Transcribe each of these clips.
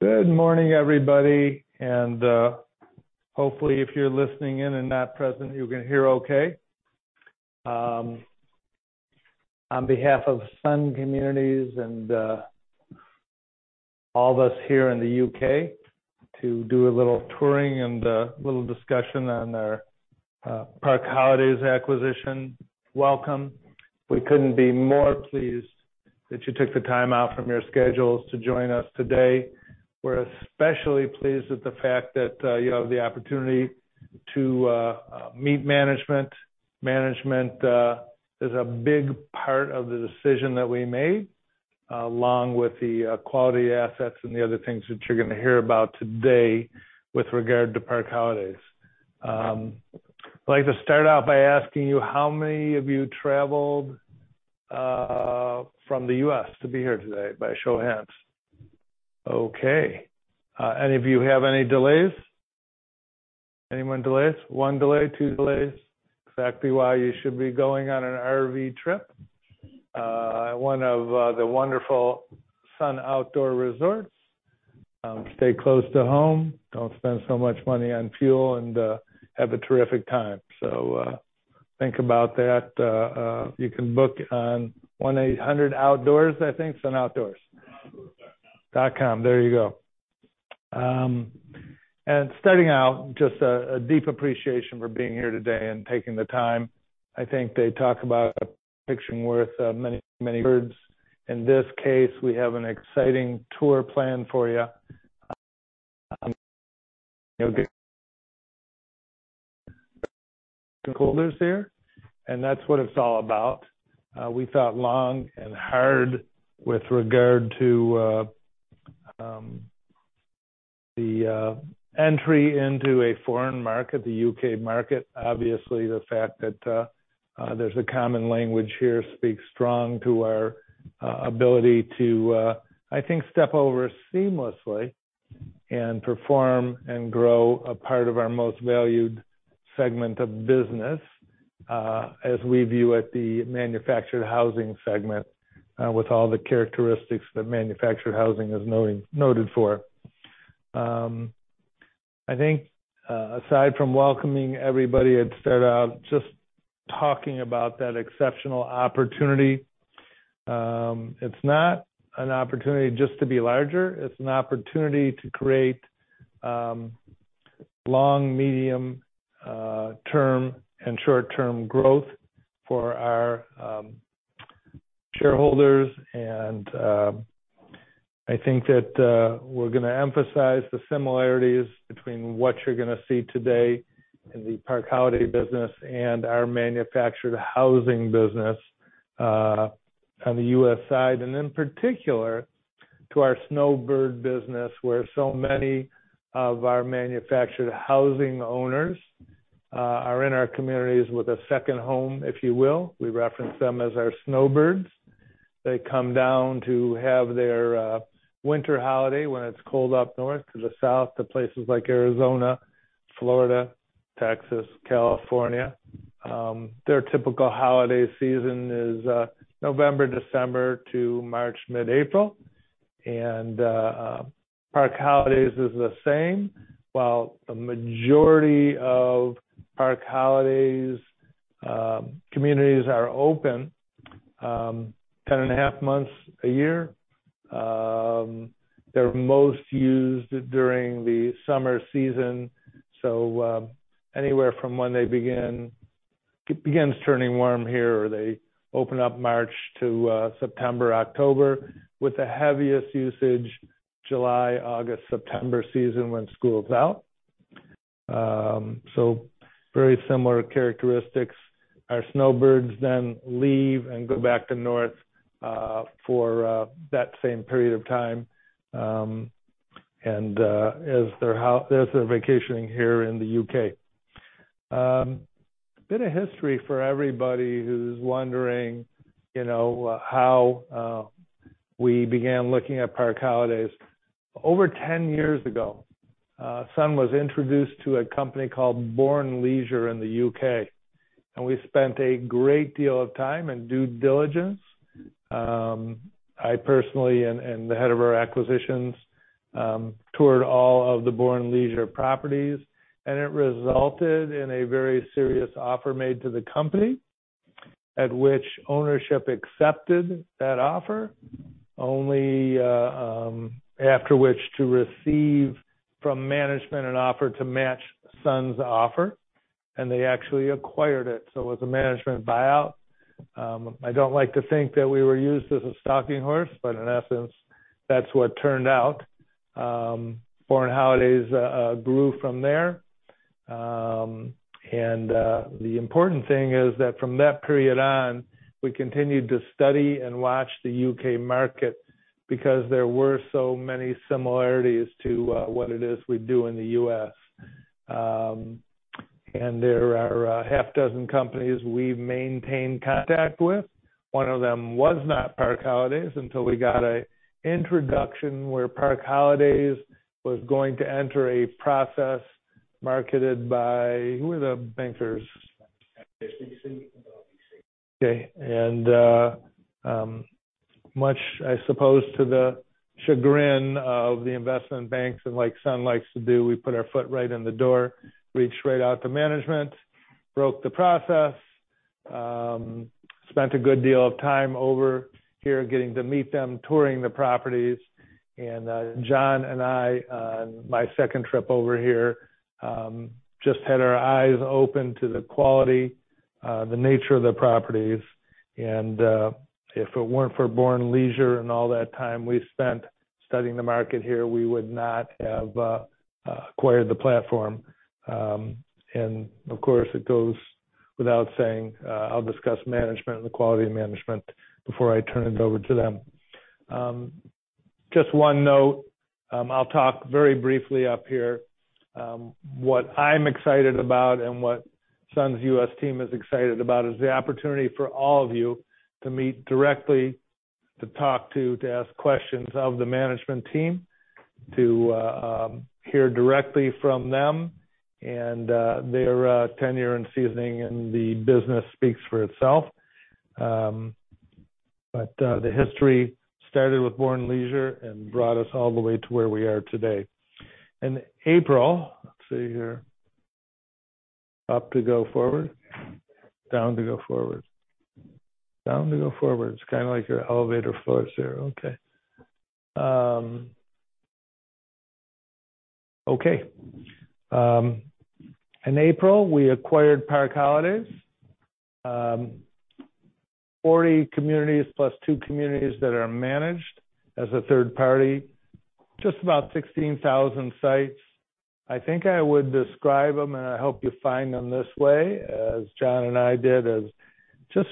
Good morning, everybody, and hopefully, if you're listening in and not present, you can hear okay. On behalf of Sun Communities and all of us here in the U.K. to do a little touring and a little discussion on our Park Holidays acquisition, welcome. We couldn't be more pleased that you took the time out from your schedules to join us today. We're especially pleased with the fact that you have the opportunity to meet management. Management is a big part of the decision that we made along with the quality assets and the other things that you're gonna hear about today with regard to Park Holidays. I'd like to start out by asking you, how many of you traveled from the U.S. to be here today by show of hands? Okay. Any of you have any delays? Anyone delays? One delay, two delays. Exactly why you should be going on an RV trip, one of the wonderful Sun Outdoors resorts. Stay close to home, don't spend so much money on fuel, and have a terrific time. Think about that. You can book on 1-800-Outdoors, I think, Sun Outdoors. .com. There you go. Starting out, just a deep appreciation for being here today and taking the time. I think they talk about a picture worth many, many words. In this case, we have an exciting tour planned for you. That's what it's all about. We thought long and hard with regard to the entry into a foreign market, the U.K. market. Obviously, the fact that there's a common language here speaks strong to our ability to, I think, step over seamlessly and perform and grow a part of our most valued segment of business, as we view at the manufactured housing segment, with all the characteristics that manufactured housing is noted for. I think, aside from welcoming everybody, I'd start out just talking about that exceptional opportunity. It's not an opportunity just to be larger, it's an opportunity to create long, medium, term and short-term growth for our shareholders, and I think that we're gonna emphasize the similarities between what you're gonna see today in the Park Holidays business and our manufactured housing business on the U.S. side, and in particular, to our snowbird business, where so many of our manufactured housing owners are in our communities with a second home, if you will. We reference them as our snowbirds. They come down to have their winter holiday when it's cold up north to the south, to places like Arizona, Florida, Texas, California. Their typical holiday season is November, December to March, mid-April. Park Holidays is the same. While the majority of Park Holidays communities are open ten and a half months a year, they're most used during the summer season. Anywhere from when it begins turning warm here, they open up March to September, October, with the heaviest usage July, August, September season when school's out. Very similar characteristics. Our snowbirds then leave and go back to the north for that same period of time, and as they're vacationing here in the U.K. A bit of history for everybody who's wondering, you know, how we began looking at Park Holidays. Over 10 years ago, Sun was introduced to a company called Bourne Leisure in the U.K., and we spent a great deal of time in due diligence. I personally, and the head of our acquisitions, toured all of the Bourne Leisure properties, and it resulted in a very serious offer made to the company, at which ownership accepted that offer, only after which to receive from management an offer to match Sun's offer, and they actually acquired it. It was a management buyout. I don't like to think that we were used as a stalking horse, but in essence, that's what turned out. Bourne Holidays grew from there. The important thing is that from that period on, we continued to study and watch the U.K. market because there were so many similarities to what it is we do in the U.S. There are six companies we've maintained contact with. One of them was not Park Holidays until we got an introduction where Park Holidays was going to enter a process marketed by. Who were the bankers? HSBC. Okay. Much, I suppose, to the chagrin of the investment banks and like Sun likes to do, we put our foot right in the door, reached right out to management, broke the process, spent a good deal of time over here getting to meet them, touring the properties. John and I, on my second trip over here, just had our eyes open to the quality, the nature of the properties. If it weren't for Bourne Leisure and all that time we spent studying the market here, we would not have acquired the platform. Of course, it goes without saying, I'll discuss management and the quality of management before I turn it over to them. Just one note. I'll talk very briefly up here. What I'm excited about and what Sun's U.S. team is excited about is the opportunity for all of you to meet directly, to talk to ask questions of the management team, to hear directly from them and their tenure and seasoning, and the business speaks for itself. The history started with Bourne Leisure and brought us all the way to where we are today. In April. Let's see here. Up to go forward, down to go forward. It's kinda like your elevator floors here. Okay. In April, we acquired Park Holidays U.K., 40 communities +2 communities that are managed as a third party, just about 16,000 sites. I think I would describe them, and I hope you find them this way, as John and I did, as just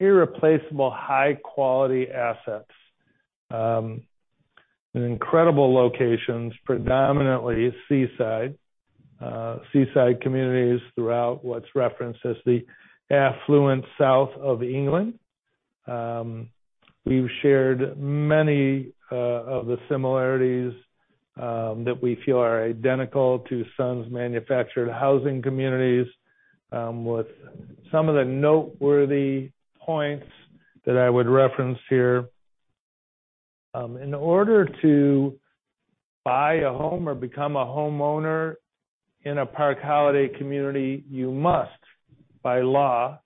irreplaceable high-quality assets in incredible locations, predominantly seaside communities throughout what's referenced as the affluent south of England. We've shared many of the similarities that we feel are identical to Sun's manufactured housing communities, with some of the noteworthy points that I would reference here. In order to buy a home or become a homeowner in a Park Holidays community, you must, by law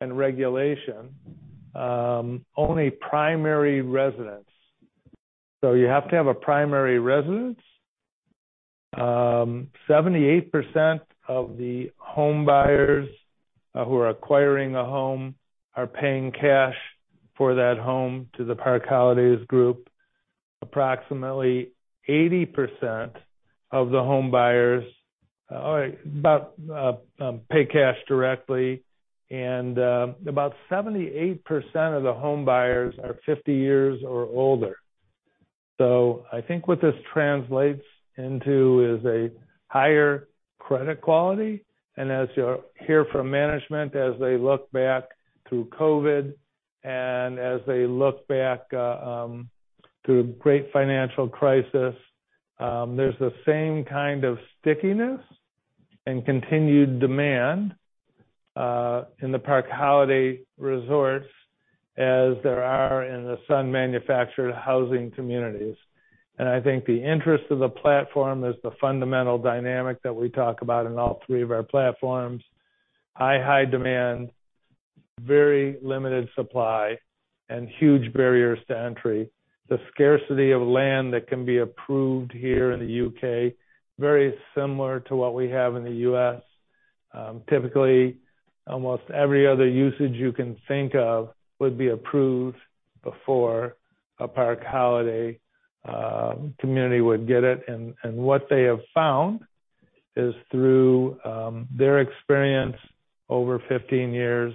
and regulation, own a primary residence. You have to have a primary residence. 78% of the home buyers who are acquiring a home are paying cash for that home to the Park Holidays group. Approximately 80% of the home buyers pay cash directly, and about 78% of the home buyers are 50 years or older. I think what this translates into is a higher credit quality. As you'll hear from management, as they look back through COVID, and as they look back through the great financial crisis, there's the same kind of stickiness and continued demand in the Park Holidays resorts as there are in the Sun manufactured housing communities. I think the interest of the platform is the fundamental dynamic that we talk about in all three of our platforms. High demand, very limited supply, and huge barriers to entry. The scarcity of land that can be approved here in the U.K., very similar to what we have in the U.S. Typically, almost every other usage you can think of would be approved before a Park Holidays community would get it. What they have found is through their experience over 15 years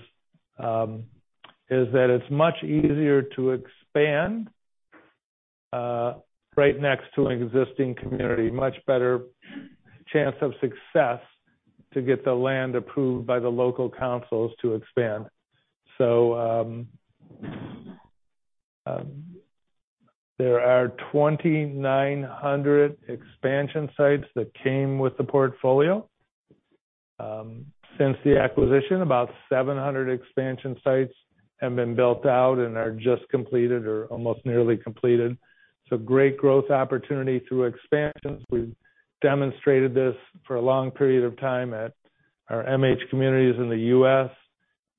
is that it's much easier to expand right next to an existing community, much better chance of success to get the land approved by the local councils to expand. There are 2,900 expansion sites that came with the portfolio. Since the acquisition, about 700 expansion sites have been built out and are just completed or almost nearly completed. Great growth opportunity through expansions. We've demonstrated this for a long period of time at our MH communities in the U.S.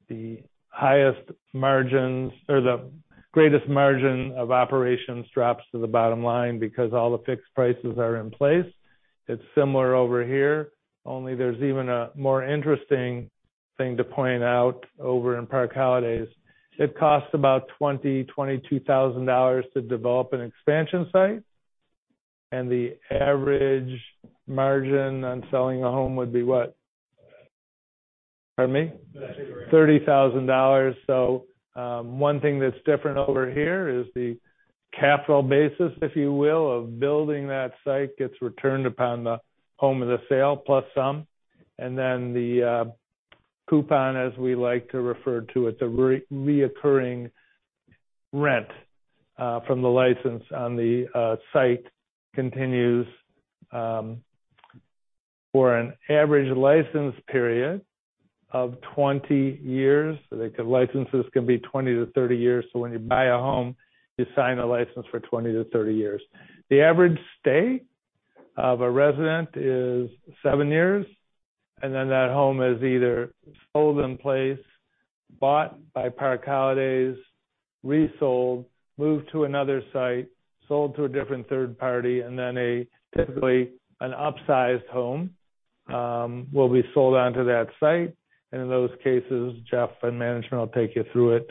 The highest margins or the greatest margin of operations drops to the bottom line because all the fixed prices are in place. It's similar over here, only there's even a more interesting thing to point out over in Park Holidays. It costs about $22,000 to develop an expansion site, and the average margin on selling a home would be what? Pardon me. $30,000. One thing that's different over here is the capital basis, if you will, of building that site gets returned upon the sale of the home plus some. Then the coupon, as we like to refer to it, the recurring rent from the license on the site continues. For an average license period of 20 years, licenses can be 20-30 years, so when you buy a home, you sign a license for 20-30 years. The average stay of a resident is seven years, and then that home is either sold in place, bought by Park Holidays, resold, moved to another site, sold to a different third party, and then typically an upsized home will be sold onto that site. In those cases, Jeff and management will take you through it.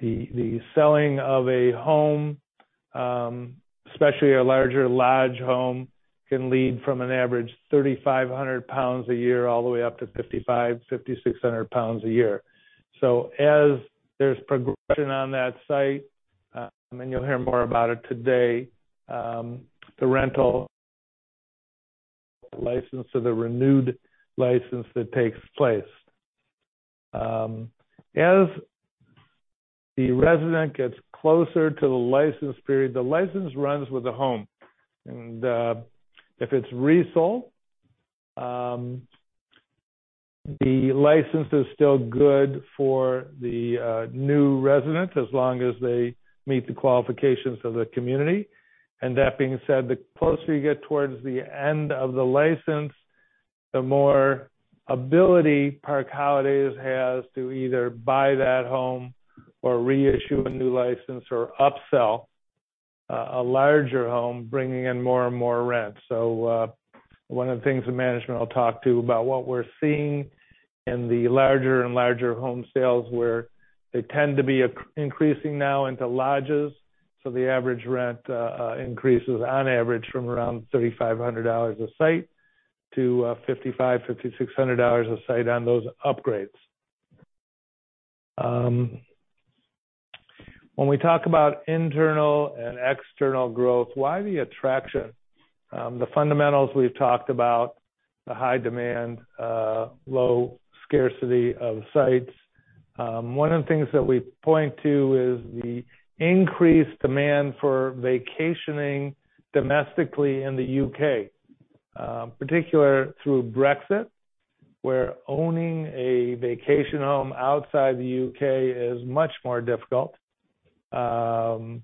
The selling of a home, especially a larger lodge home, can lead from an average 3,500 pounds a year all the way up to 5,500-5,600 pounds a year. As there's progression on that site, and you'll hear more about it today, the rental license or the renewed license that takes place. As the resident gets closer to the license period, the license runs with the home, and if it's resold, the license is still good for the new resident as long as they meet the qualifications of the community. That being said, the closer you get towards the end of the license, the more ability Park Holidays has to either buy that home or reissue a new license or upsell a larger home, bringing in more and more rent. One of the things the management will talk about what we're seeing in the larger and larger home sales, where they tend to be increasing now into lodges. The average rent increases on average from around $3,500 a site to $5,500-$5,600 a site on those upgrades. When we talk about internal and external growth, why the attraction? The fundamentals we've talked about, the high demand, low scarcity of sites. One of the things that we point to is the increased demand for vacationing domestically in the U.K., particularly through Brexit, where owning a vacation home outside the U.K. is much more difficult, and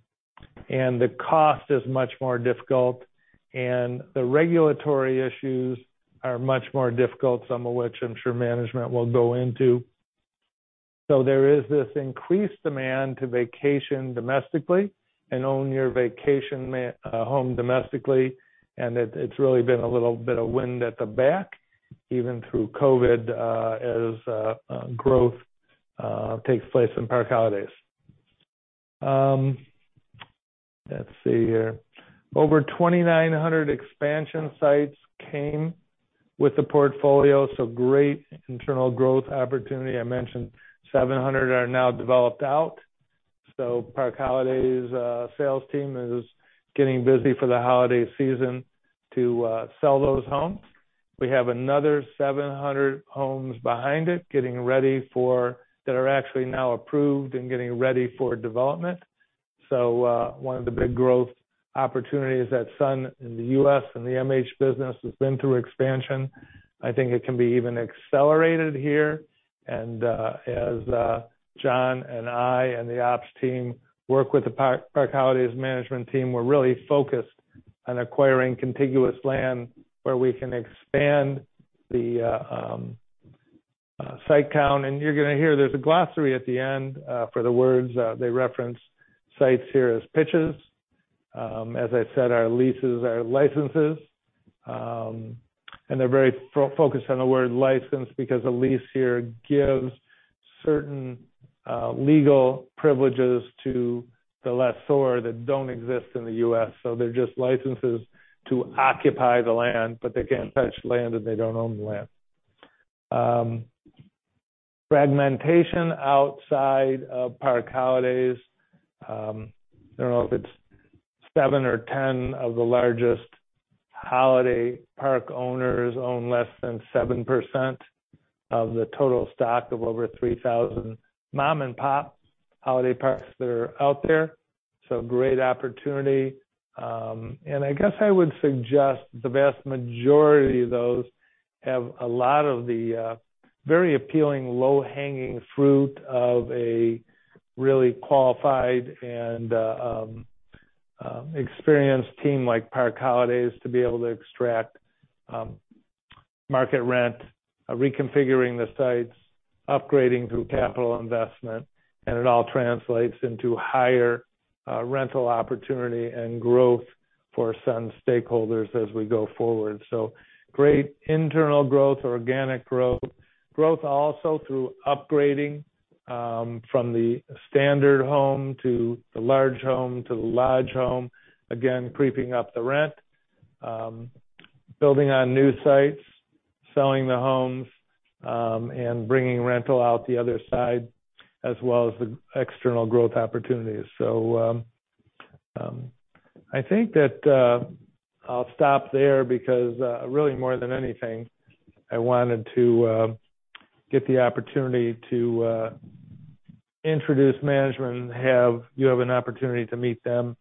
the cost is much more difficult, and the regulatory issues are much more difficult, some of which I'm sure management will go into. There is this increased demand to vacation domestically and own your vacation home domestically, and it's really been a little bit of wind at the back, even through COVID, as growth takes place in Park Holidays. Let's see here. Over 2,900 expansion sites came with the portfolio, so great internal growth opportunity. I mentioned 700 are now developed out. Park Holidays sales team is getting busy for the holiday season to sell those homes. We have another 700 homes behind it that are actually now approved and getting ready for development. One of the big growth opportunities that Sun in the U.S. and the MH business has been through expansion. I think it can be even accelerated here. As John and I and the ops team work with the Park Holidays management team, we're really focused on acquiring contiguous land where we can expand the site count. You're gonna hear there's a glossary at the end for the words they reference sites here as pitches. As I said, our leases are licenses, and they're very focused on the word license because a lease here gives certain legal privileges to the lessor that don't exist in the U.S. They're just licenses to occupy the land, but they can't touch land, and they don't own the land. Fragmentation outside of Park Holidays, I don't know if it's seven or ten of the largest holiday park owners own less than 7% of the total stock of over 3,000 mom-and-pop holiday parks that are out there. Great opportunity. I guess I would suggest the vast majority of those have a lot of the very appealing low-hanging fruit of a really qualified and experienced team like Park Holidays to be able to extract market rent, reconfiguring the sites, upgrading through capital investment, and it all translates into higher rental opportunity and growth for Sun stakeholders as we go forward. Great internal growth, organic growth. Growth also through upgrading from the standard home to the large home, again, creeping up the rent, building on new sites, selling the homes, and bringing rental out the other side as well as the external growth opportunities. I think that I'll stop there because really more than anything I wanted to get the opportunity to introduce management and you have an opportunity to meet them.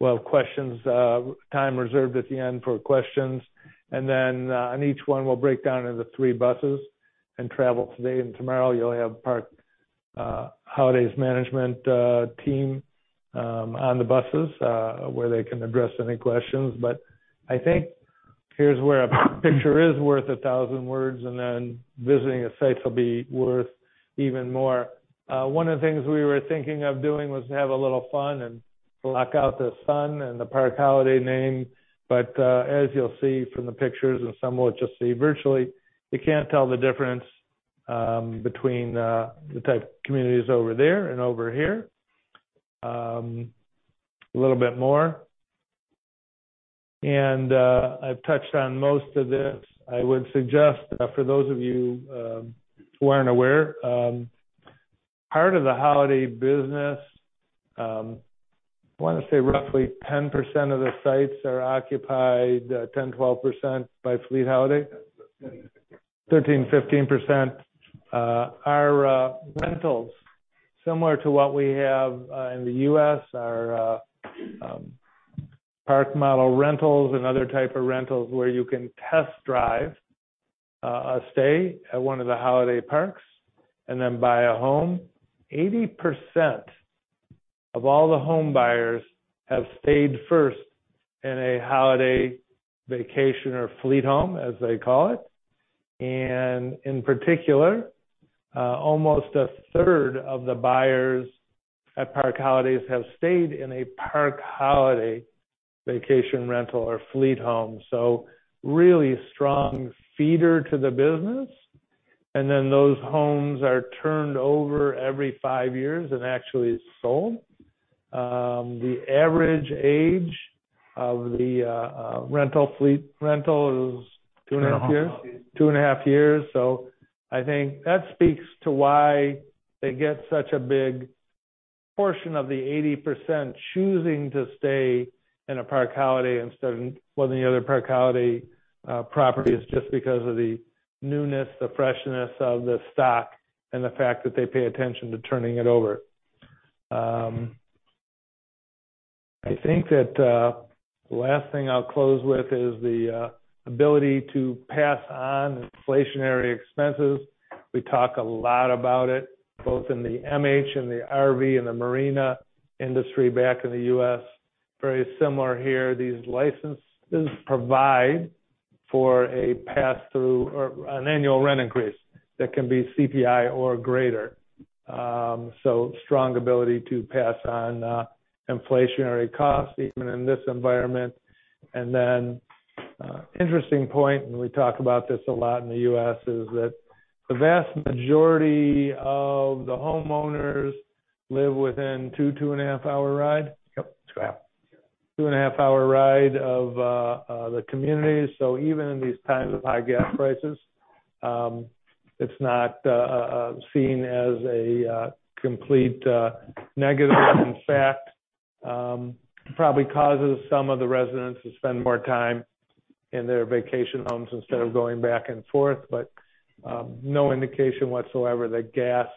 We'll have question time reserved at the end for questions. On each one, we'll break down into three buses and travel. Today and tomorrow, you'll have Park Holidays management team on the buses where they can address any questions. I think here's where a picture is worth a thousand words, and then visiting a site will be worth even more. One of the things we were thinking of doing was to have a little fun and block out the sun and the Park Holidays name. As you'll see from the pictures and some will just see virtually, you can't tell the difference between the type of communities over there and over here. A little bit more. I've touched on most of this. I would suggest that for those of you who aren't aware, part of the holiday business, I wanna say roughly 10%-12% of the sites are occupied by fleet holiday. 13%-15% are rentals similar to what we have in the U.S., park model rentals and other type of rentals where you can test drive a stay at one of the holiday parks and then buy a home. 80% of all the home buyers have stayed first in a holiday vacation or fleet home, as they call it. In particular, almost a third of the buyers at Park Holidays have stayed in a Park Holiday vacation rental or fleet home. Really strong feeder to the business. Those homes are turned over every 5 years and actually sold. The average age of the fleet rental is 2.5 Years. I think that speaks to why they get such a big portion of the 80% choosing to stay in a Park Holiday instead of one of the other Park Holiday properties, just because of the newness, the freshness of the stock, and the fact that they pay attention to turning it over. I think that the last thing I'll close with is the ability to pass on inflationary expenses. We talk a lot about it, both in the MH and the RV and the marina industry back in the U.S. Very similar here. These licenses provide for a pass-through or an annual rent increase that can be CPI or greater. So strong ability to pass on inflationary costs even in this environment. Then, interesting point, and we talk about this a lot in the U.S., is that the vast majority of the homeowners live within two and a half hour ride? Yep. Two and a half hour ride to the communities. Even in these times of high gas prices, it's not seen as a complete negative. In fact, probably causes some of the residents to spend more time in their vacation homes instead of going back and forth. No indication whatsoever that gas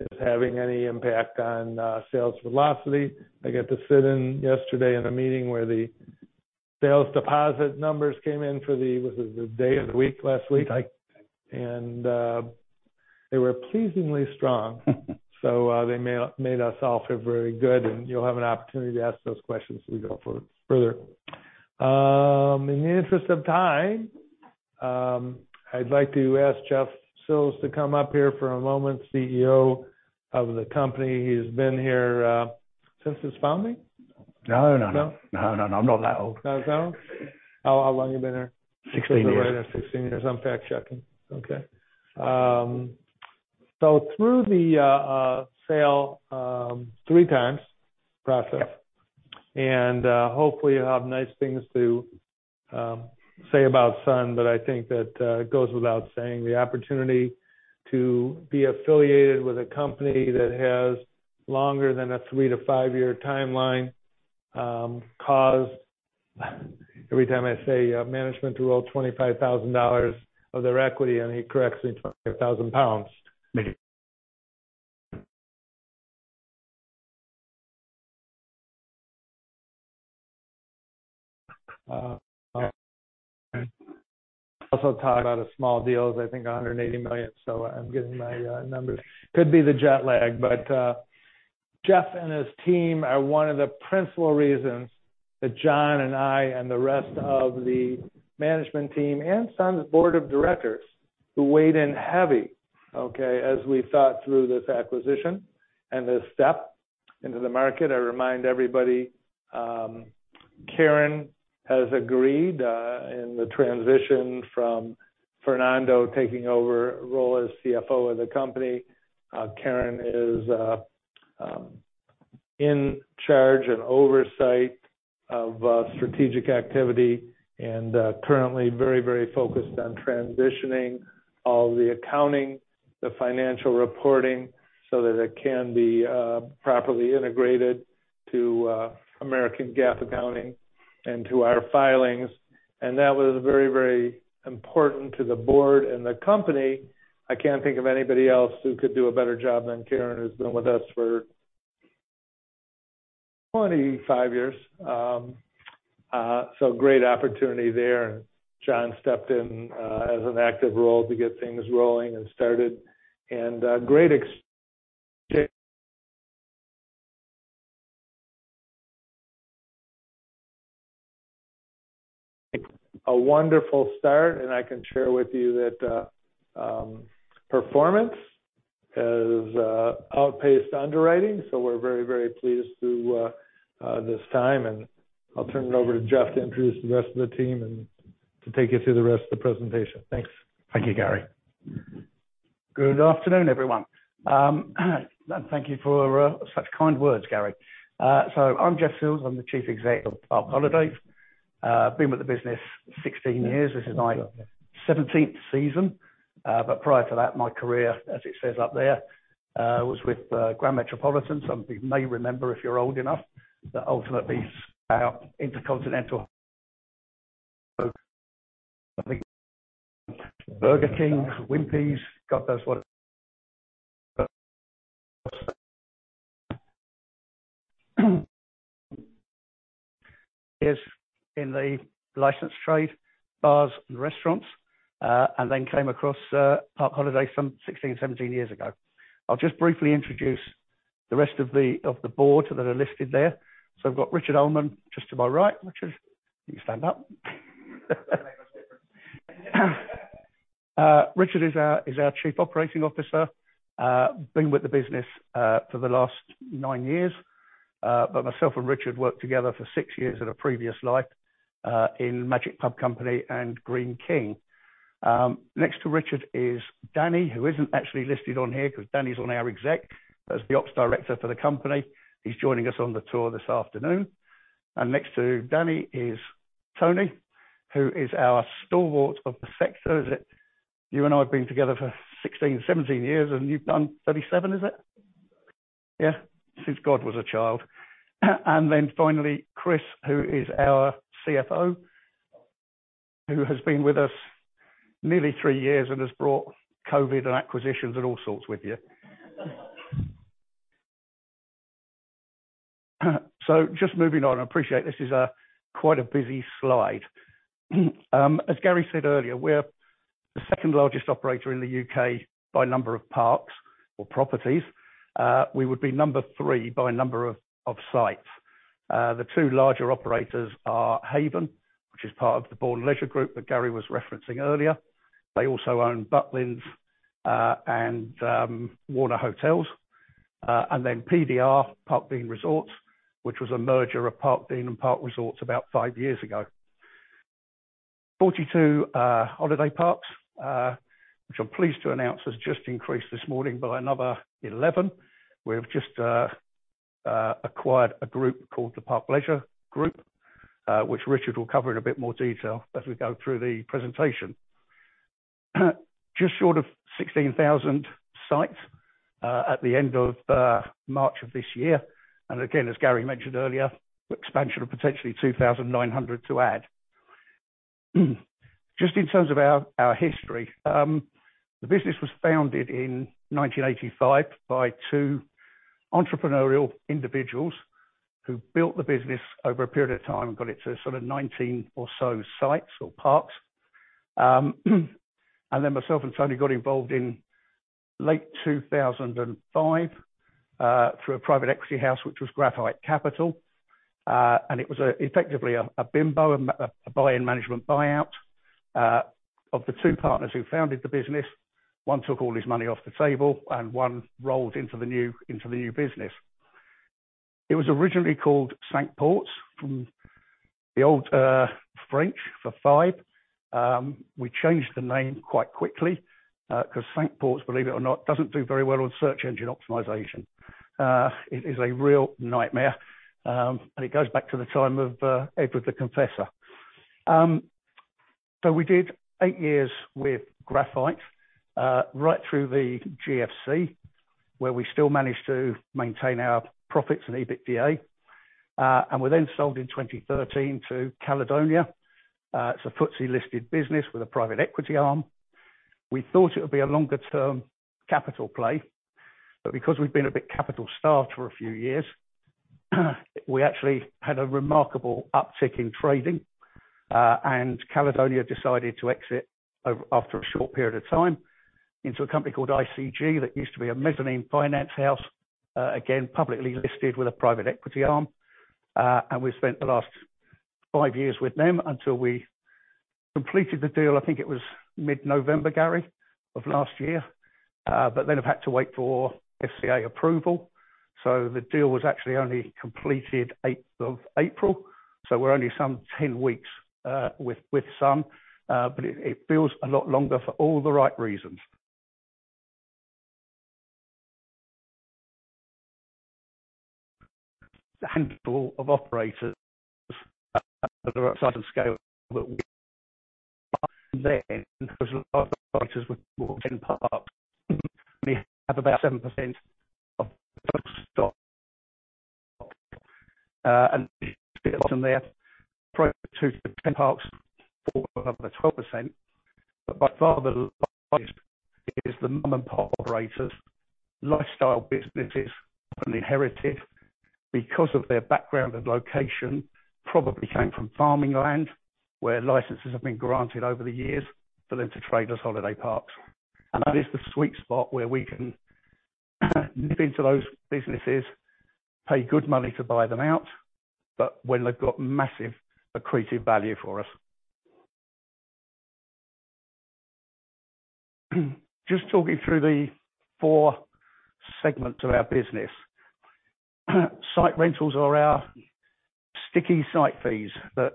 is having any impact on sales velocity. I got to sit in yesterday in a meeting where the sales deposit numbers came in for the day of the week last week? Like. They were pleasingly strong. They made us all feel very good, and you'll have an opportunity to ask those questions as we go further. In the interest of time, I'd like to ask Jeff Sills to come up here for a moment, CEO of the company. He's been here since its founding. No, no. No? No, no. I'm not that old. Oh, no. How long you been here? 16 years. 16 years. I'm fact-checking. Okay. Through the sale three times process, and hopefully you'll have nice things to say about Sun, but I think that it goes without saying the opportunity to be affiliated with a company that has longer than a 3-5 year timeline caused every time I say management to roll $25,000 of their equity, and he corrects me, 25,000 pounds. Maybe. Also talk about a small deal is I think $180 million, so I'm getting my numbers. Could be the jet lag, but Jeff and his team are one of the principal reasons that John and I and the rest of the management team and Sun's board of directors, who weighed in heavily, okay, as we thought through this acquisition and this step into the market. I remind everybody, Karen has agreed, in the transition from Fernando taking over role as CFO of the company, Karen is in charge of oversight of strategic activity and currently very, very focused on transitioning all the accounting, the financial reporting, so that it can be properly integrated to American GAAP accounting and to our filings. That was very, very important to the board and the company. I can't think of anybody else who could do a better job than Karen, who's been with us for 25 years. Great opportunity there. John stepped in in an active role to get things rolling and started. A wonderful start, and I can share with you that performance has outpaced underwriting, so we're very, very pleased at this time. I'll turn it over to Jeff to introduce the rest of the team and to take you through the rest of the presentation. Thanks. Thank you, Gary. Good afternoon, everyone. And thank you for such kind words, Gary. I'm Jeff Sills, I'm the Chief Exec of Park Holidays. Been with the business 16 years. This is my 17th season. But prior to that, my career, as it says up there, was with Grand Metropolitan. Some of you may remember, if you're old enough, that ultimately spun out into InterContinental, Burger King, Wimpy's, God knows what else is in the licensed trade, bars and restaurants, and then came across Park Holidays some 16, 17 years ago. I'll just briefly introduce the rest of the board that are listed there. I've got Richard Ullman just to my right. Richard, you can stand up. Doesn't make much difference. Richard is our Chief Operating Officer. Been with the business for the last nine years. Myself and Richard worked together for six years at a previous life in Magic Pub Company and Greene King. Next to Richard is Danny, who isn't actually listed on here because Danny's on our exec. He's the ops director for the company. He's joining us on the tour this afternoon. Next to Danny is Tony, who is our stalwart of the sector. Is it you and I have been together for sixteen, seventeen years, and you've done thirty-seven, is it? Yeah. Since God was a child. Then finally, Chris, who is our CFO, who has been with us nearly three years and has brought COVID and acquisitions and all sorts with you. Just moving on, I appreciate this is quite a busy slide. As Gary said earlier, we're the second-largest operator in the U.K. by number of parks or properties. We would be number three by number of sites. The two larger operators are Haven, which is part of the Bourne Leisure Group that Gary was referencing earlier. They also own Butlin's and Warner Hotels. PDR, Parkdean Resorts, which was a merger of Parkdean and Park Resorts about five years ago. 42 holiday parks, which I'm pleased to announce has just increased this morning by another 11. We have just acquired a group called the Park Leisure Group, which Richard will cover in a bit more detail as we go through the presentation. Just short of 16,000 sites at the end of March of this year. Again, as Gary mentioned earlier, expansion of potentially 2,900 to add. Just in terms of our history, the business was founded in 1985 by two entrepreneurial individuals who built the business over a period of time and got it to sort of 19 or so sites or parks. Myself and Tony got involved in late 2005 through a private equity house, which was Graphite Capital. It was effectively a BIMBO, a buy and management buyout of the two partners who founded the business, one took all his money off the table and one rolled into the new business. It was originally called Cinque Ports, from the old French for five. We changed the name quite quickly, 'cause Cinque Ports, believe it or not, doesn't do very well on search engine optimization. It is a real nightmare, and it goes back to the time of Edward the Confessor. We did eight years with Graphite, right through the GFC, where we still managed to maintain our profits and EBITDA. We then sold in 2013 to Caledonia. It's a FTSE-listed business with a private equity arm. We thought it would be a longer term capital play, but because we've been a bit capital starved for a few years, we actually had a remarkable uptick in trading, and Caledonia decided to exit after a short period of time into a company called ICG. That used to be a mezzanine finance house, again, publicly listed with a private equity arm. We spent the last five years with them until we completed the deal. I think it was mid-November, Gary, of last year. We have had to wait for FCA approval. The deal was actually only completed eighth of April. We're only some 10 weeks with Sun. It feels a lot longer for all the right reasons. A handful of operators of our size and scale. Operators with more than 10 parks have about 7% of total stock. There are 2-10 parks for another 12%. By far the largest is the mum and pop operators, lifestyle businesses and inherited because of their background and location, probably came from farming land, where licenses have been granted over the years for them to trade as holiday parks. That is the sweet spot where we can nip into those businesses, pay good money to buy them out, but when they've got massive accretive value for us. Just talking through the four segments of our business. Site rentals are our sticky site fees that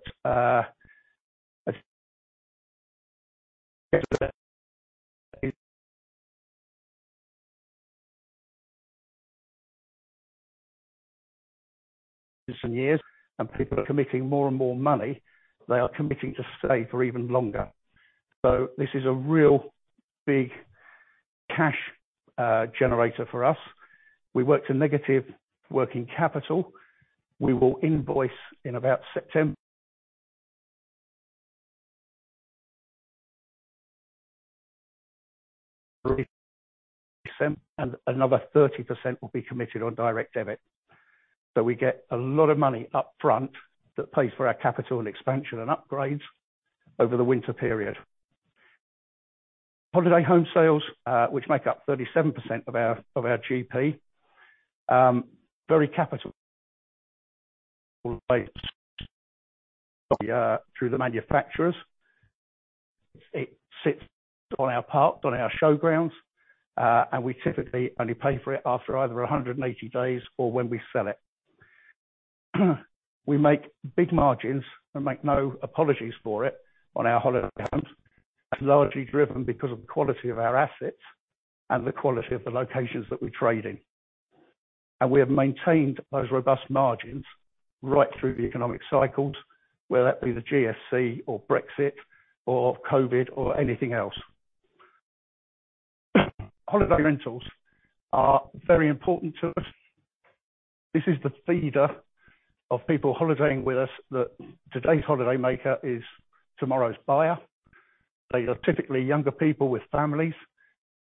some years, and people are committing more and more money, they are committing to stay for even longer. This is a real big cash generator for us. We work with a negative working capital. We will invoice in about September. Another 30% will be committed on direct debit. We get a lot of money up front that pays for our capital expansion and upgrades over the winter period. Holiday home sales, which make up 37% of our GP, very capital by through the manufacturers. It sits on our park, on our show grounds, and we typically only pay for it after either 180 days or when we sell it. We make big margins and make no apologies for it on our holiday homes. It's largely driven because of the quality of our assets and the quality of the locations that we trade in. We have maintained those robust margins right through the economic cycles, whether that be the GFC or Brexit or Covid or anything else. Holiday rentals are very important to us. This is the feeder of people holidaying with us that today's holidaymaker is tomorrow's buyer. They are typically younger people with families.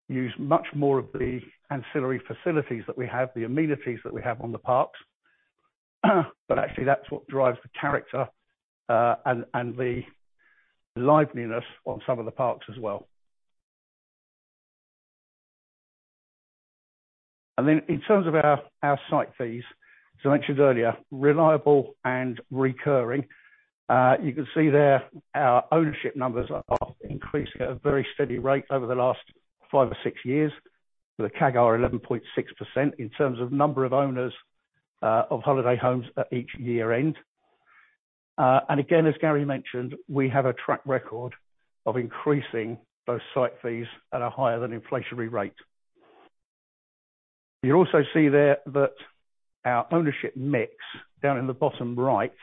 They use much more of the ancillary facilities that we have, the amenities that we have on the parks. Actually, that's what drives the character and the liveliness on some of the parks as well. Then in terms of our site fees, as I mentioned earlier, reliable and recurring. You can see there, our ownership numbers are increasing at a very steady rate over the last five or six years with a CAGR 11.6% in terms of number of owners of holiday homes at each year-end. And again, as Gary mentioned, we have a track record of increasing those site fees at a higher than inflationary rate. You also see there that our ownership mix, down in the bottom right,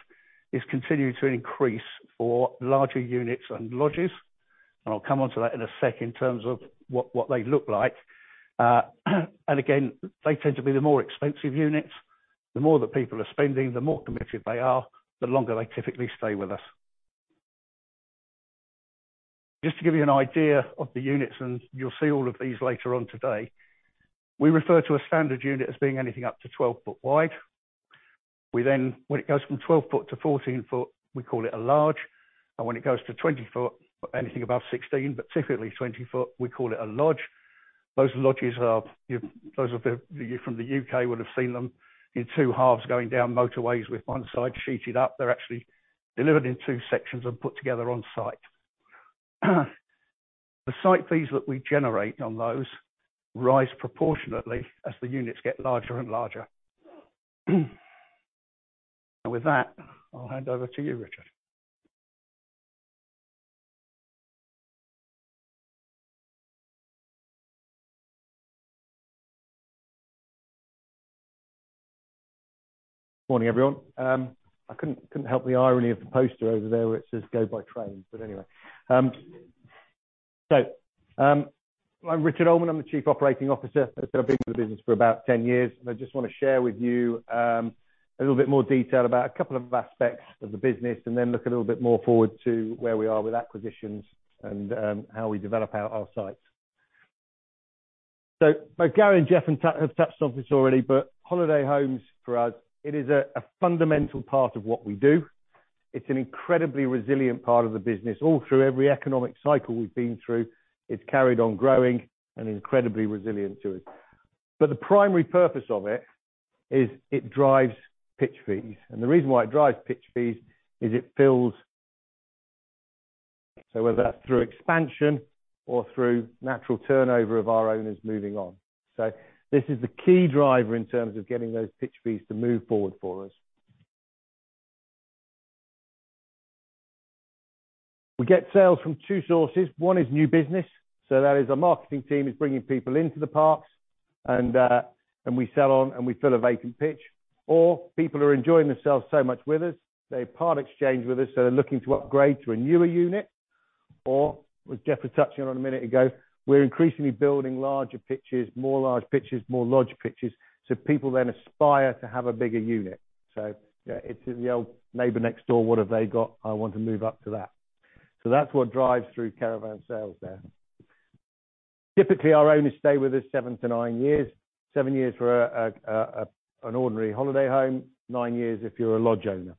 is continuing to increase for larger units and lodges. I'll come on to that in a sec in terms of what they look like. And again, they tend to be the more expensive units. The more that people are spending, the more committed they are, the longer they typically stay with us. Just to give you an idea of the units, and you'll see all of these later on today. We refer to a standard unit as being anything up to 12 ft wide. When it goes from 12 ft to 14 ft, we call it a large. When it goes to 20 ft, anything above 16, but typically 20 ft, we call it a lodge. Those lodges are, those of you from the U.K. would have seen them in two halves going down motorways with one side sheeted up. They're actually delivered in two sections and put together on-site. The site fees that we generate on those rise proportionately as the units get larger and larger. With that, I'll hand over to you, Richard. Morning, everyone. I couldn't help the irony of the poster over there where it says, "Go by train," but anyway. I'm Richard Ullman, I'm the Chief Operating Officer. I've been with the business for about 10 years, and I just wanna share with you a little bit more detail about a couple of aspects of the business, and then look a little bit more forward to where we are with acquisitions and how we develop out our sites. Both Gary and Jeff have touched on this already, but holiday homes, for us, it is a fundamental part of what we do. It's an incredibly resilient part of the business. All through every economic cycle we've been through, it's carried on growing and incredibly resilient to it. The primary purpose of it is it drives pitch fees. The reason why it drives pitch fees is it fills. Whether that's through expansion or through natural turnover of our owners moving on. This is the key driver in terms of getting those pitch fees to move forward for us. We get sales from two sources. One is new business. That is our marketing team is bringing people into the parks. And we sell on and we fill a vacant pitch, or people are enjoying themselves so much with us, they part exchange with us, so they're looking to upgrade to a newer unit. Or what Jeff was touching on a minute ago, we're increasingly building larger pitches, more large pitches, more lodge pitches, so people then aspire to have a bigger unit. Yeah, it's the old neighbor next door. What have they got? I want to move up to that. That's what drives our caravan sales there. Typically, our owners stay with us 7-9 years. Seven years for an ordinary holiday home, nine years if you're a lodge owner.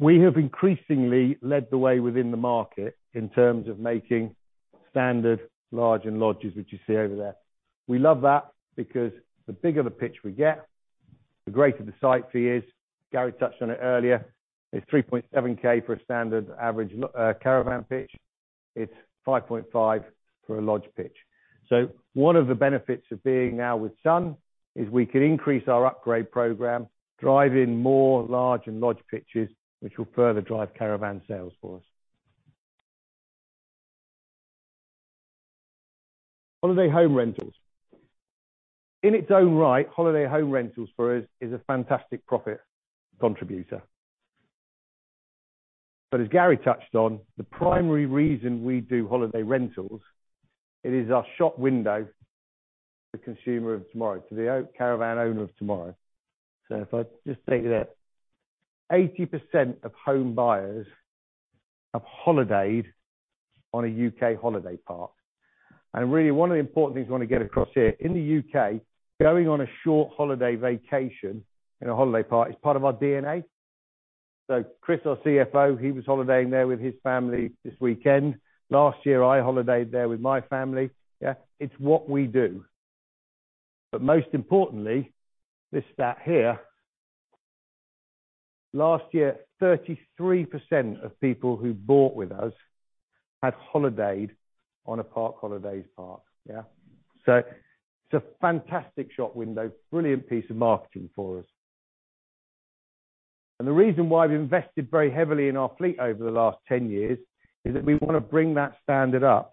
We have increasingly led the way within the market in terms of making standard larger and lodges, which you see over there. We love that because the bigger the pitch we get, the greater the site fee is. Gary touched on it earlier. It's 3.7K for a standard average caravan pitch. It's 5.5K for a lodge pitch. One of the benefits of being now with Sun is we can increase our upgrade program, drive in more larger and lodge pitches, which will further drive caravan sales for us. Holiday home rentals. In its own right, holiday home rentals for us is a fantastic profit contributor. As Gary touched on, the primary reason we do holiday rentals, it is our shop window to the consumer of tomorrow, to the caravan owner of tomorrow. If I just take you there. 80% of home buyers have holidayed on a U.K. holiday park. Really one of the important things I want to get across here, in the U.K., going on a short holiday vacation in a holiday park is part of our DNA. Chris, our CFO, he was holidaying there with his family this weekend. Last year, I holidayed there with my family. Yeah, it's what we do. Most importantly, this stat here, last year, 33% of people who bought with us had holidayed on a Park Holidays park, yeah? It's a fantastic shop window, brilliant piece of marketing for us. The reason why we invested very heavily in our fleet over the last 10 years is that we wanna bring that standard up.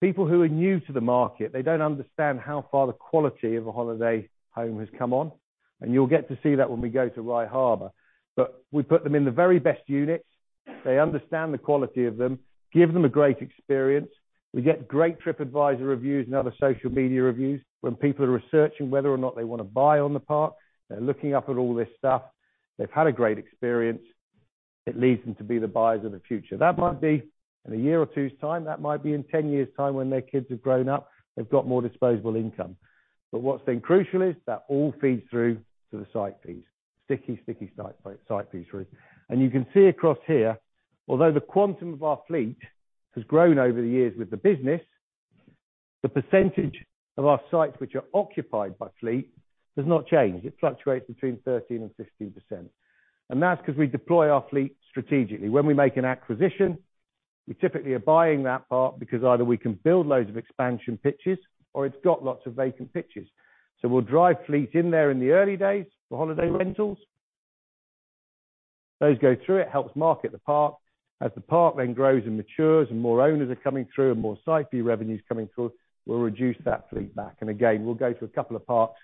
People who are new to the market, they don't understand how far the quality of a holiday home has come on, and you'll get to see that when we go to Rye Harbour. We put them in the very best units. They understand the quality of them, give them a great experience. We get great Tripadvisor reviews and other social media reviews. When people are researching whether or not they wanna buy on the park, they're looking up at all this stuff. They've had a great experience. It leads them to be the buyers of the future. That might be in a year or two's time, that might be in 10 years' time when their kids have grown up, they've got more disposable income. What's been crucial is that all feeds through to the site fees. Sticky site fees really. You can see across here, although the quantum of our fleet has grown over the years with the business, the percentage of our sites which are occupied by fleet does not change. It fluctuates between 13% and 15%. That's 'cause we deploy our fleet strategically. When we make an acquisition, we typically are buying that park because either we can build loads of expansion pitches or it's got lots of vacant pitches. We'll drive fleet in there in the early days for holiday rentals. Those go through, it helps market the park. As the park then grows and matures and more owners are coming through and more site fee revenues coming through, we'll reduce that fleet back. Again, we'll go to a couple of parks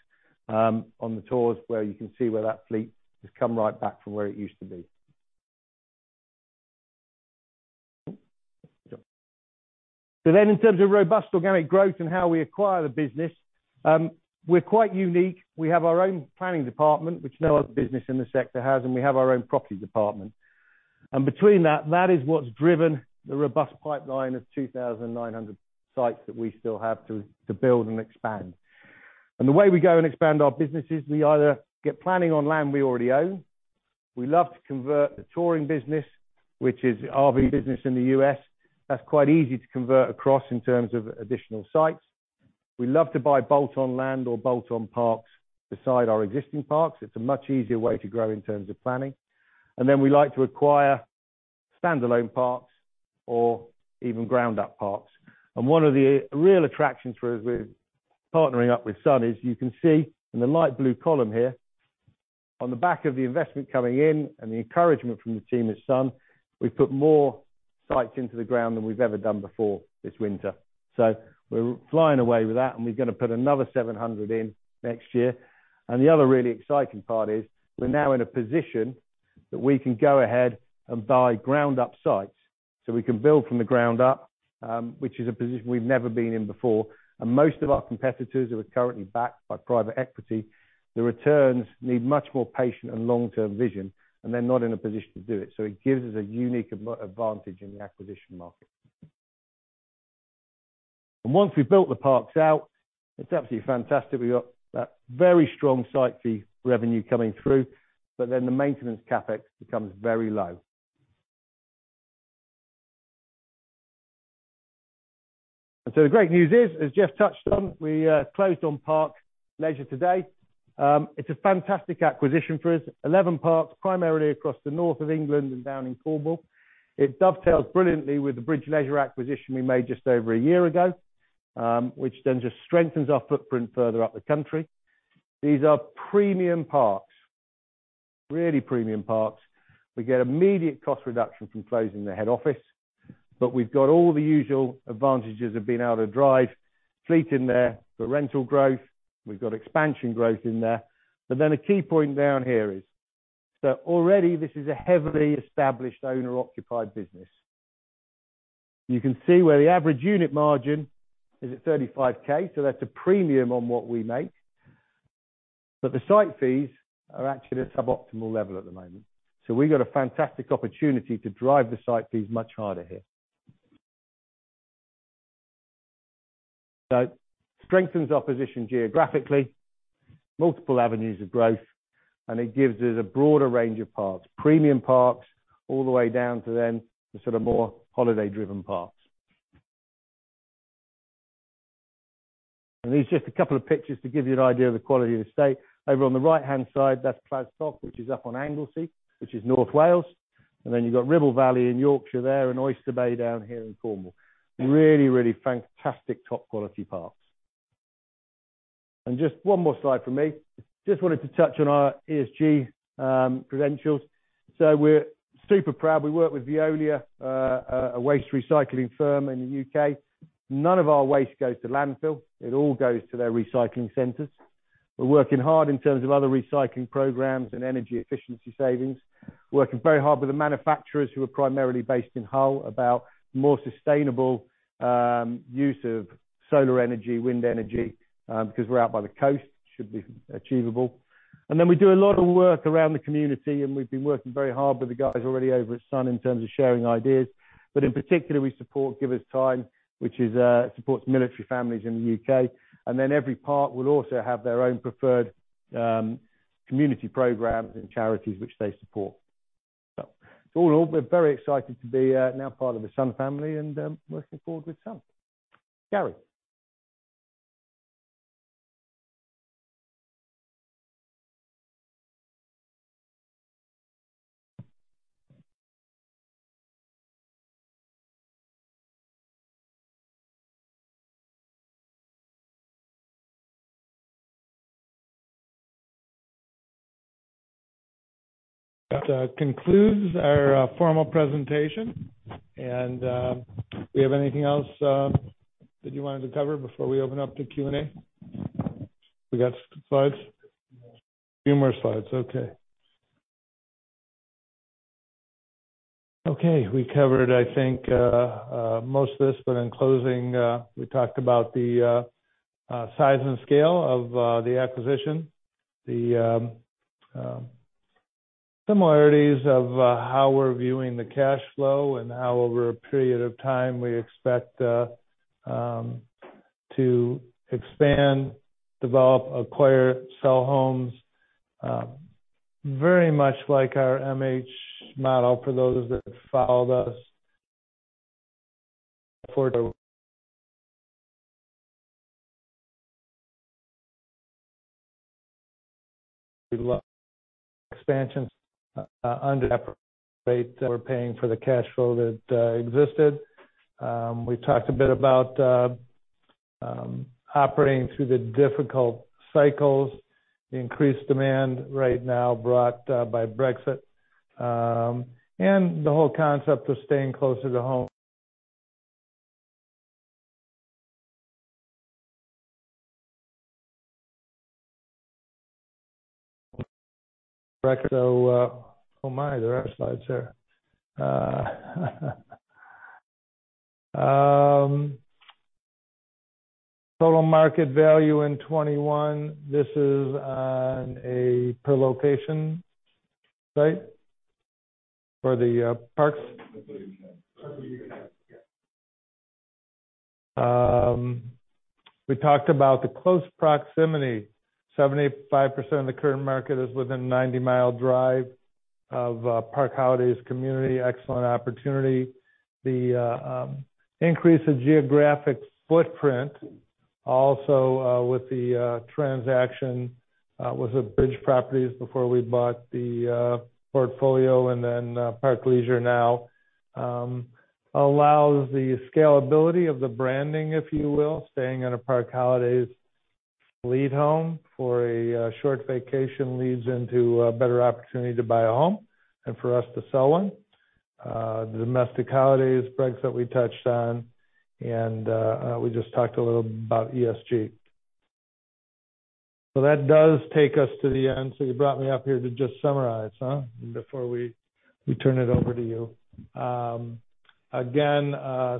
on the tours where you can see where that fleet has come right back from where it used to be. In terms of robust organic growth and how we acquire the business, we're quite unique. We have our own planning department, which no other business in the sector has, and we have our own property department. Between that is what's driven the robust pipeline of 2,900 sites that we still have to build and expand. The way we go and expand our businesses, we either get planning on land we already own. We love to convert the touring business, which is RV business in the U.S. That's quite easy to convert across in terms of additional sites. We love to buy bolt-on land or bolt-on parks beside our existing parks. It's a much easier way to grow in terms of planning. We like to acquire standalone parks or even ground-up parks. One of the real attractions for us with partnering up with Sun is you can see in the light blue column here, on the back of the investment coming in and the encouragement from the team at Sun, we've put more sites into the ground than we've ever done before this winter. We're flying away with that, and we're gonna put another 700 in next year. The other really exciting part is we're now in a position that we can go ahead and buy ground-up sites, so we can build from the ground up, which is a position we've never been in before. Most of our competitors who are currently backed by private equity, their returns need much more patient and long-term vision, and they're not in a position to do it. It gives us a unique advantage in the acquisition market. Once we've built the parks out, it's absolutely fantastic. We've got that very strong site fee revenue coming through, but then the maintenance CapEx becomes very low. The great news is, as Jeff touched on, we closed on Park Leisure today. It's a fantastic acquisition for us. 11 parks, primarily across the north of England and down in Cornwall. It dovetails brilliantly with the Bridge Leisure acquisition we made just over a year ago, which then just strengthens our footprint further up the country. These are premium parks, really premium parks. We get immediate cost reduction from closing the head office, but we've got all the usual advantages of being able to drive fleet in there for rental growth. We've got expansion growth in there. A key point down here is that already this is a heavily established owner-occupied business. You can see where the average unit margin is at 35K, so that's a premium on what we make. The site fees are actually at suboptimal level at the moment. We got a fantastic opportunity to drive the site fees much harder here. Strengthens our position geographically, multiple avenues of growth, and it gives us a broader range of parks, premium parks, all the way down to then the sort of more holiday-driven parks. These are just a couple of pictures to give you an idea of the quality of the stay. Over on the right-hand side, that's Cadnant, which is up on Anglesey, which is North Wales. Then you've got Ribble Valley in Yorkshire there, and Oyster Bay down here in Cornwall. Really, really fantastic top quality parks. Just one more slide for me. Just wanted to touch on our ESG credentials. We're super proud. We work with Veolia, a waste recycling firm in the U.K. None of our waste goes to landfill. It all goes to their recycling centers. We're working hard in terms of other recycling programs and energy efficiency savings. Working very hard with the manufacturers who are primarily based in Hull about more sustainable use of solar energy, wind energy, because we're out by the coast, should be achievable. We do a lot of work around the community, and we've been working very hard with the guys already over at Sun in terms of sharing ideas. In particular, we support Give Us Time, which supports military families in the U.K. Every park will also have their own preferred community programs and charities which they support. All in all, we're very excited to be now part of the Sun family and working forward with Sun. Gary. That concludes our formal presentation. Do we have anything else that you wanted to cover before we open up to Q&A? We got slides? A few more. A few more slides. Okay. We covered, I think, most of this. In closing, we talked about the size and scale of the acquisition, the similarities of how we're viewing the cash flow and how over a period of time we expect to expand, develop, acquire, sell homes, very much like our MH model for those that have followed us for the expansion, under that rate that we're paying for the cash flow that existed. We talked a bit about operating through the difficult cycles, increased demand right now brought by Brexit, and the whole concept of staying closer to home. Oh my, there are slides there. Total market value in 2021, this is on a per location site for the parks. Per location. Per location, yeah. We talked about the close proximity. 75% of the current market is within 90 mi drive of Park Holidays community. Excellent opportunity. The increase in geographic footprint also with the transaction with the Bridge Leisure before we bought the portfolio and then Park Leisure now allows the scalability of the branding, if you will. Staying at a Park Holidays let home for a short vacation leads into a better opportunity to buy a home and for us to sell one. The domestic holidays, Brexit we touched on, and we just talked a little about ESG. That does take us to the end. You brought me up here to just summarize, huh, before we turn it over to you. Again,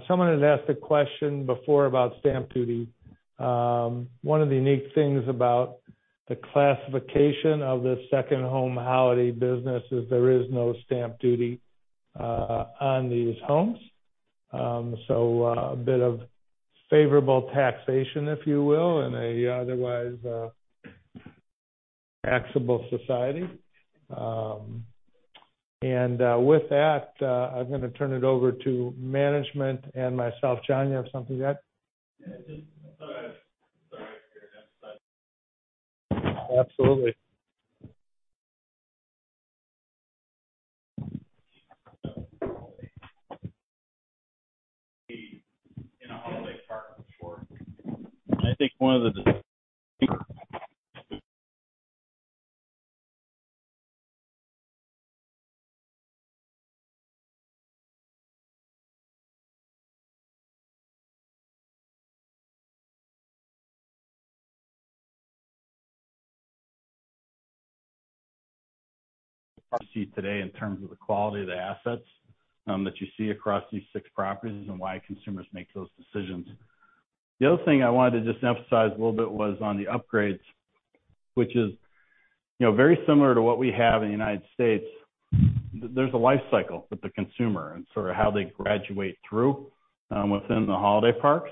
someone had asked a question before about Stamp Duty. One of the unique things about the classification of the second home holiday business is there is no Stamp Duty on these homes. A bit of favorable taxation, if you will, in an otherwise taxable society. With that, I'm gonna turn it over to management and myself. John, you have something to add? Sorry. Next slide. Absolutely. I think one of the things you see today in terms of the quality of the assets that you see across these six properties and why consumers make those decisions. The other thing I wanted to just emphasize a little bit was on the upgrades, which is, you know, very similar to what we have in the United States. There's a life cycle with the consumer and sort of how they graduate through within the holiday parks.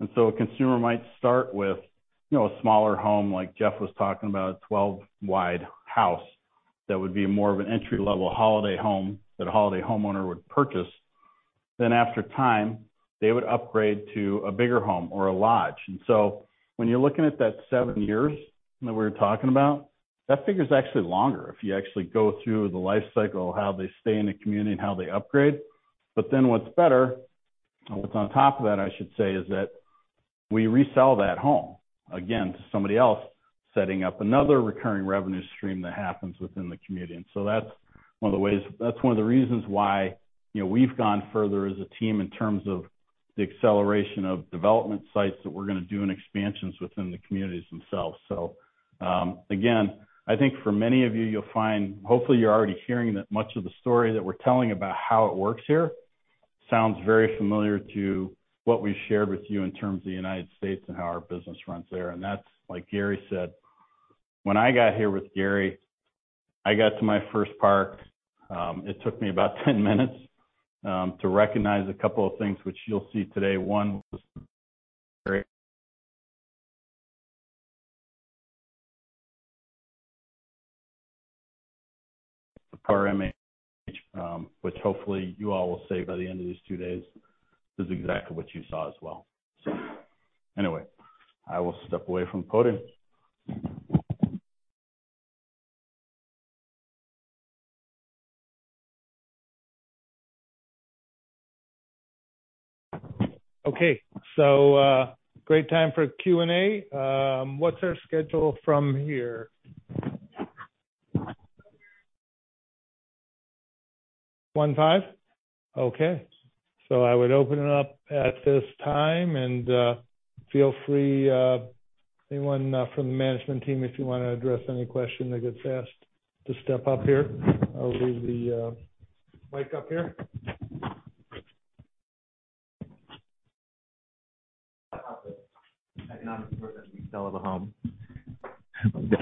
A consumer might start with, you know, a smaller home, like Jeff was talking about, a 12-wide house that would be more of an entry-level holiday home that a holiday homeowner would purchase. Then after time, they would upgrade to a bigger home or a lodge. When you're looking at that seven years that we were talking about, that figure is actually longer if you actually go through the life cycle, how they stay in the community and how they upgrade. What's better, or what's on top of that, I should say, is that we resell that home again to somebody else, setting up another recurring revenue stream that happens within the community. That's one of the ways. That's one of the reasons why, you know, we've gone further as a team in terms of the acceleration of development sites that we're gonna do, and expansions within the communities themselves. Again, I think for many of you'll find, hopefully you're already hearing that much of the story that we're telling about how it works here sounds very familiar to what we shared with you in terms of the United States and how our business runs there. That's like Gary said, when I got here with Gary, I got to my first park, it took me about 10 minutes to recognize a couple of things which you'll see today. One, which hopefully you all will say by the end of these two days is exactly what you saw as well. Anyway, I will step away from podium. Okay. Great time for Q&A. What's our schedule from here? 1:05? Okay. I would open it up at this time, and feel free, anyone from the management team, if you wanna address any question that gets asked to step up here. I'll leave the mic up here. How the economics work as we sell the home.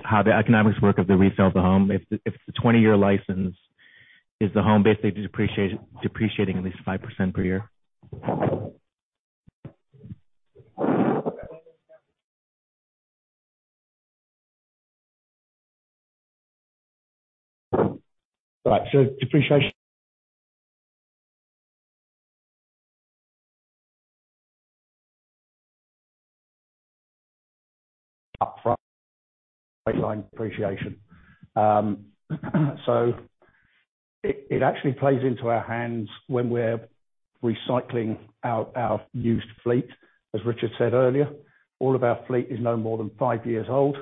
How the economics work of the resale of the home. If it's a 20-year license, is the home basically depreciating at least 5% per year? Right. Depreciation upfront. Baseline depreciation. It actually plays into our hands when we're recycling our used fleet, as Richard said earlier. All of our fleet is no more than five years old,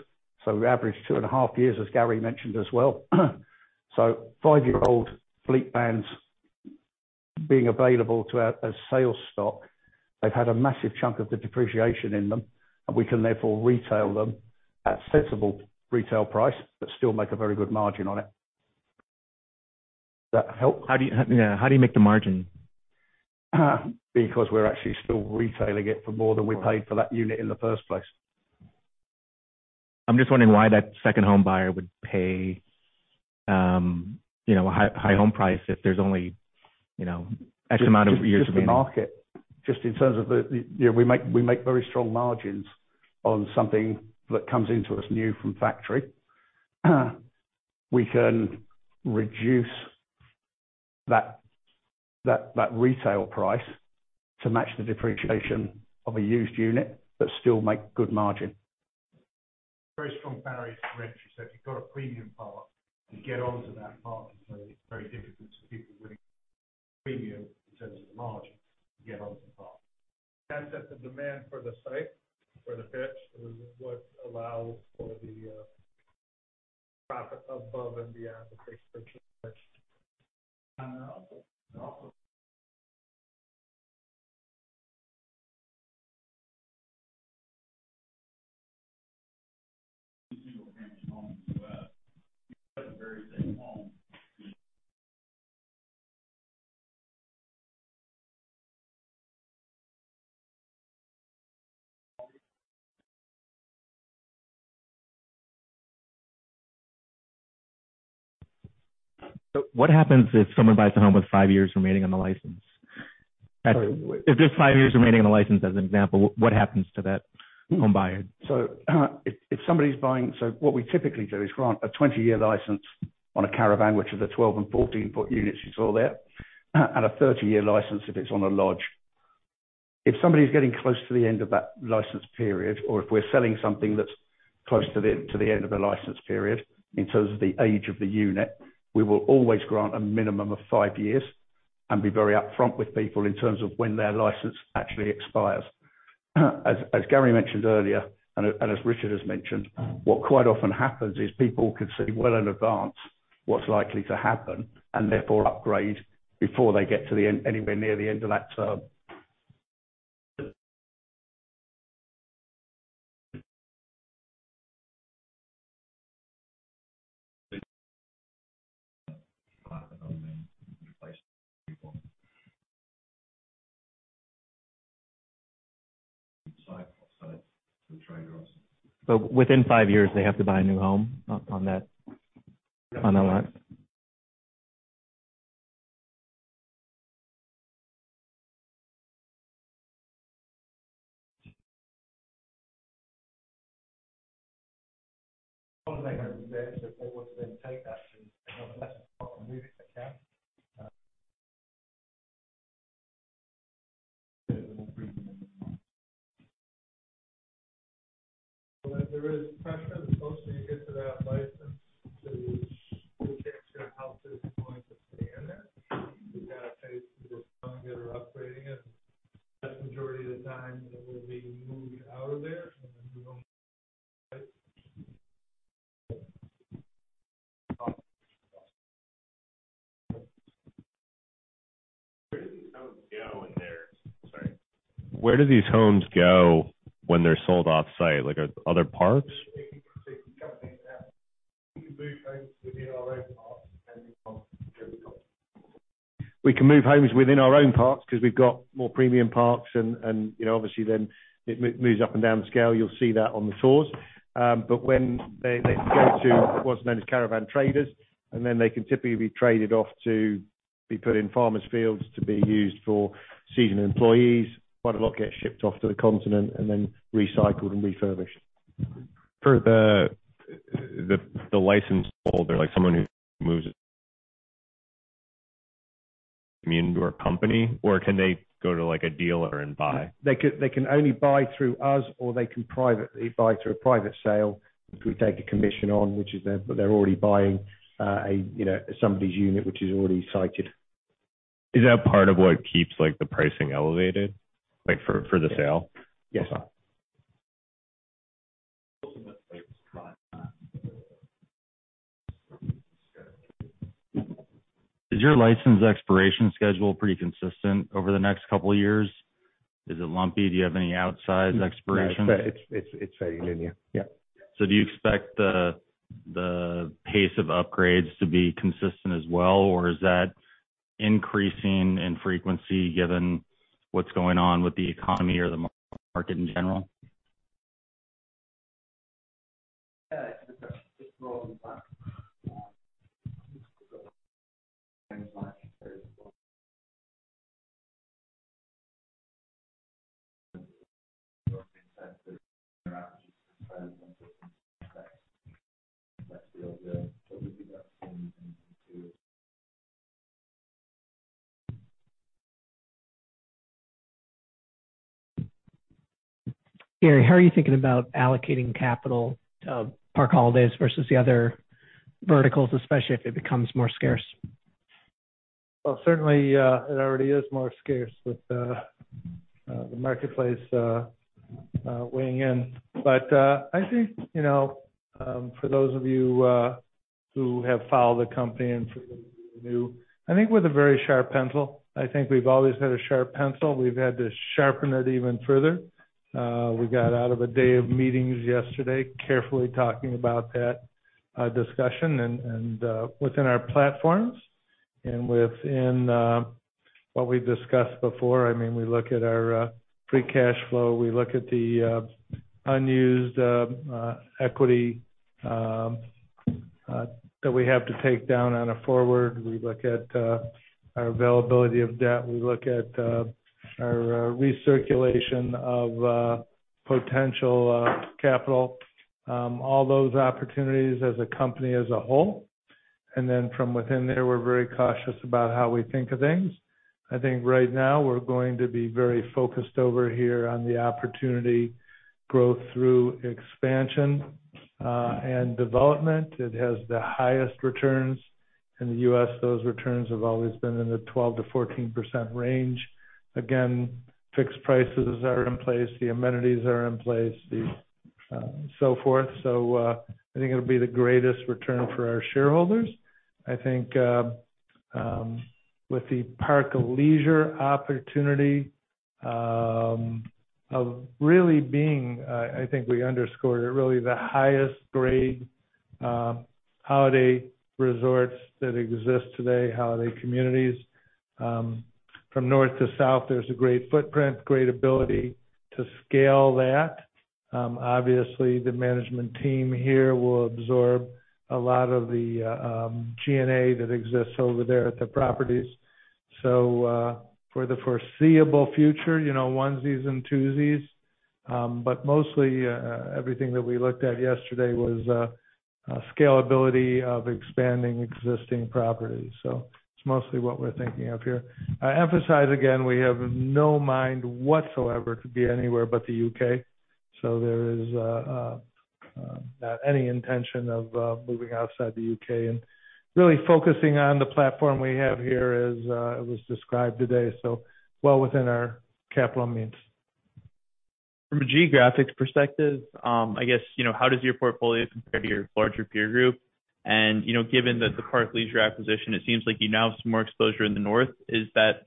so we average two and a half years, as Gary mentioned as well. Five-year-old fleet vans being available to us as sales stock, they've had a massive chunk of the depreciation in them, and we can therefore retail them at sensible retail price, but still make a very good margin on it. Does that help? How do you make the margin? Because we're actually still retailing it for more than we paid for that unit in the first place. I'm just wondering why that second home buyer would pay, you know, a high home price if there's only, you know, X amount of years remaining. Just the market. Just in terms of the. You know, we make very strong margins on something that comes into us new from factory. We can reduce that retail price to match the depreciation of a used unit, but still make good margin. Very strong barriers to entry. If you've got a premium park, you get onto that park, and so it's very difficult for people winning premium in terms of the margin to get onto the park. that the demand for the site, for the pitch, is what allows for the profit above and beyond the basic pitch. Also single-family home as well. It's quite a very big home. What happens if someone buys a home with five years remaining on the license? Sorry, what? If there's five years remaining on the license as an example, what happens to that home buyer? What we typically do is grant a 20-year license on a caravan, which are the 12 and 14 ft units you saw there, and a 30-year license if it's on a lodge. If somebody's getting close to the end of that license period, or if we're selling something that's Close to the end of the license period in terms of the age of the unit, we will always grant a minimum of five years and be very upfront with people in terms of when their license actually expires. As Gary mentioned earlier, and as Richard has mentioned, what quite often happens is people can see well in advance what's likely to happen, and therefore upgrade before they get to the end, anywhere near the end of that term. Within five years, they have to buy a new home on that lot? Where do these homes go when they're sold off-site? Like, are other parks? We can move homes within our own parks because we've got more premium parks and, you know, obviously then it moves up and down the scale. You'll see that on the tours. When they go to what's known as caravan traders, and then they can typically be traded off to be put in farmers' fields to be used for seasonal employees. Quite a lot get shipped off to the continent and then recycled and refurbished. For the license holder, like someone who moves it, I mean, to our company? Or can they go to, like, a dealer and buy? They can only buy through us, or they can privately buy through a private sale, which we take a commission on, which is they're already buying, you know, somebody's unit, which is already sited. Is that part of what keeps, like, the pricing elevated? Like, for the sale? Yes, sir. Is your license expiration schedule pretty consistent over the next couple of years? Is it lumpy? Do you have any outsized expirations? No, it's fairly linear. Yeah. Do you expect the pace of upgrades to be consistent as well, or is that increasing in frequency given what's going on with the economy or the market in general? Gary, how are you thinking about allocating capital to Park Holidays versus the other verticals, especially if it becomes more scarce? Well, certainly, it already is more scarce with the marketplace weighing in. I think, you know, for those of you who have followed the company and for those of you who are new, I think with a very sharp pencil, I think we've always had a sharp pencil. We've had to sharpen it even further. We got out of a day of meetings yesterday carefully talking about that discussion and within our platforms and within what we've discussed before. I mean, we look at our free cash flow, we look at the unused equity that we have to take down on a forward. We look at our availability of debt. We look at our recirculation of potential capital. All those opportunities as a company as a whole. From within there, we're very cautious about how we think of things. I think right now we're going to be very focused over here on the opportunity growth through expansion and development. It has the highest returns. In the U.S., those returns have always been in the 12%-14% range. Again, fixed prices are in place, the amenities are in place, the so forth. I think it'll be the greatest return for our shareholders. I think with the Park Leisure opportunity of really being I think we underscored it really the highest grade holiday resorts that exist today, holiday communities from north to south, there's a great footprint, great ability to scale that. Obviously the management team here will absorb a lot of the G&A that exists over there at the properties. For the foreseeable future, you know, onesies and twosies. Mostly, everything that we looked at yesterday was scalability of expanding existing properties. It's mostly what we're thinking of here. I emphasize again, we have no mind whatsoever to be anywhere but the U.K. There is not any intention of moving outside the U.K and really focusing on the platform we have here as it was described today, so well within our capital means. From a geographics perspective, I guess, you know, how does your portfolio compare to your larger peer group? You know, given that the Park Leisure acquisition, it seems like you now have some more exposure in the North. Is that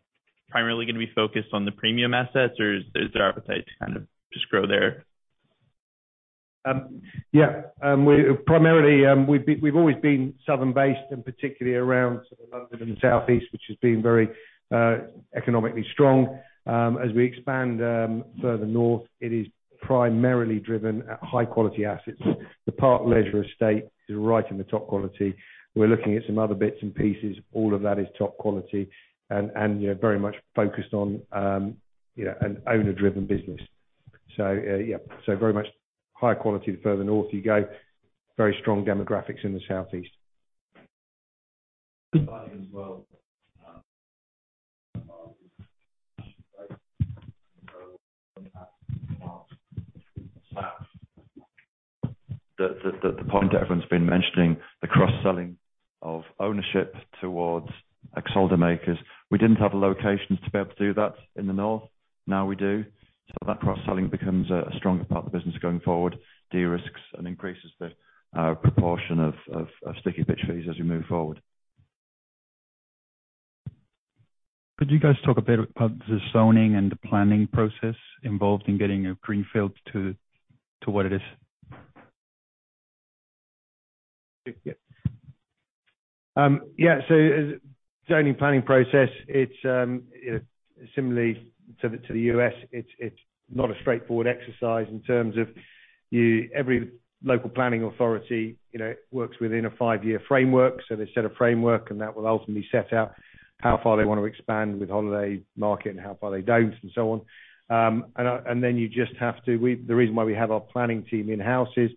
primarily gonna be focused on the premium assets, or is there appetite to kind of just grow there? We primarily, we've always been southern based and particularly around sort of London and the Southeast, which has been very economically strong. As we expand further north, it is primarily driven at high quality assets. The Park Leisure estate is right in the top quality. We're looking at some other bits and pieces. All of that is top quality and, you know, very much focused on, you know, an owner-driven business. Yeah, very much higher quality the further north you go. Very strong demographics in the Southeast. The point everyone's been mentioning, the cross-selling of ownership towards like holidaymakers, we didn't have the locations to be able to do that in the North. Now we do. That cross-selling becomes a stronger part of the business going forward, de-risks and increases the proportion of sticky pitch fees as we move forward. Could you guys talk a bit about the zoning and the planning process involved in getting a greenfield to what it is? Yeah. Yeah. As a zoning planning process, it's you know, similarly to the U.S. It's not a straightforward exercise in terms of every local planning authority, you know, works within a five-year framework. They set a framework, and that will ultimately set out how far they wanna expand with holiday market and how far they don't, and so on. The reason why we have our planning team in-house is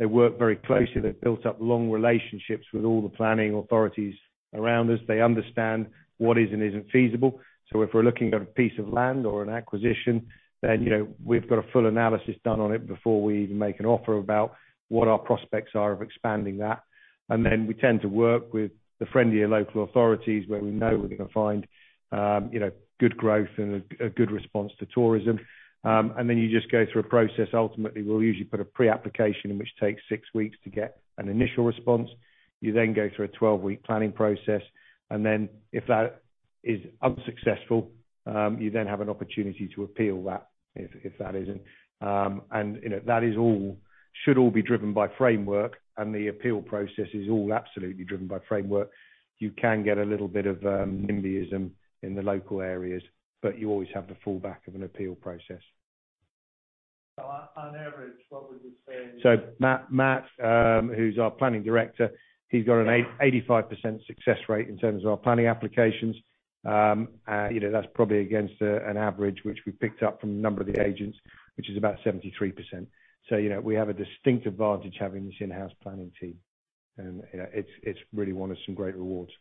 they work very closely. They've built up long relationships with all the planning authorities around us. They understand what is and isn't feasible. If we're looking at a piece of land or an acquisition, then you know, we've got a full analysis done on it before we even make an offer about what our prospects are of expanding that. We tend to work with the friendlier local authorities where we know we're gonna find good growth and a good response to tourism. You just go through a process. Ultimately, we'll usually put a pre-application in which takes six weeks to get an initial response. You then go through a 12-week planning process, and then if that is unsuccessful, you then have an opportunity to appeal that if that isn't. That should all be driven by framework, and the appeal process is all absolutely driven by framework. You can get a little bit of NIMBYism in the local areas, but you always have the fallback of an appeal process. On average, what would you say? Matt, who's our planning director, he's got an 85% success rate in terms of our planning applications. You know, that's probably against an average which we picked up from a number of the agents, which is about 73%. You know, we have a distinct advantage having this in-house planning team. You know, it's really won us some great rewards.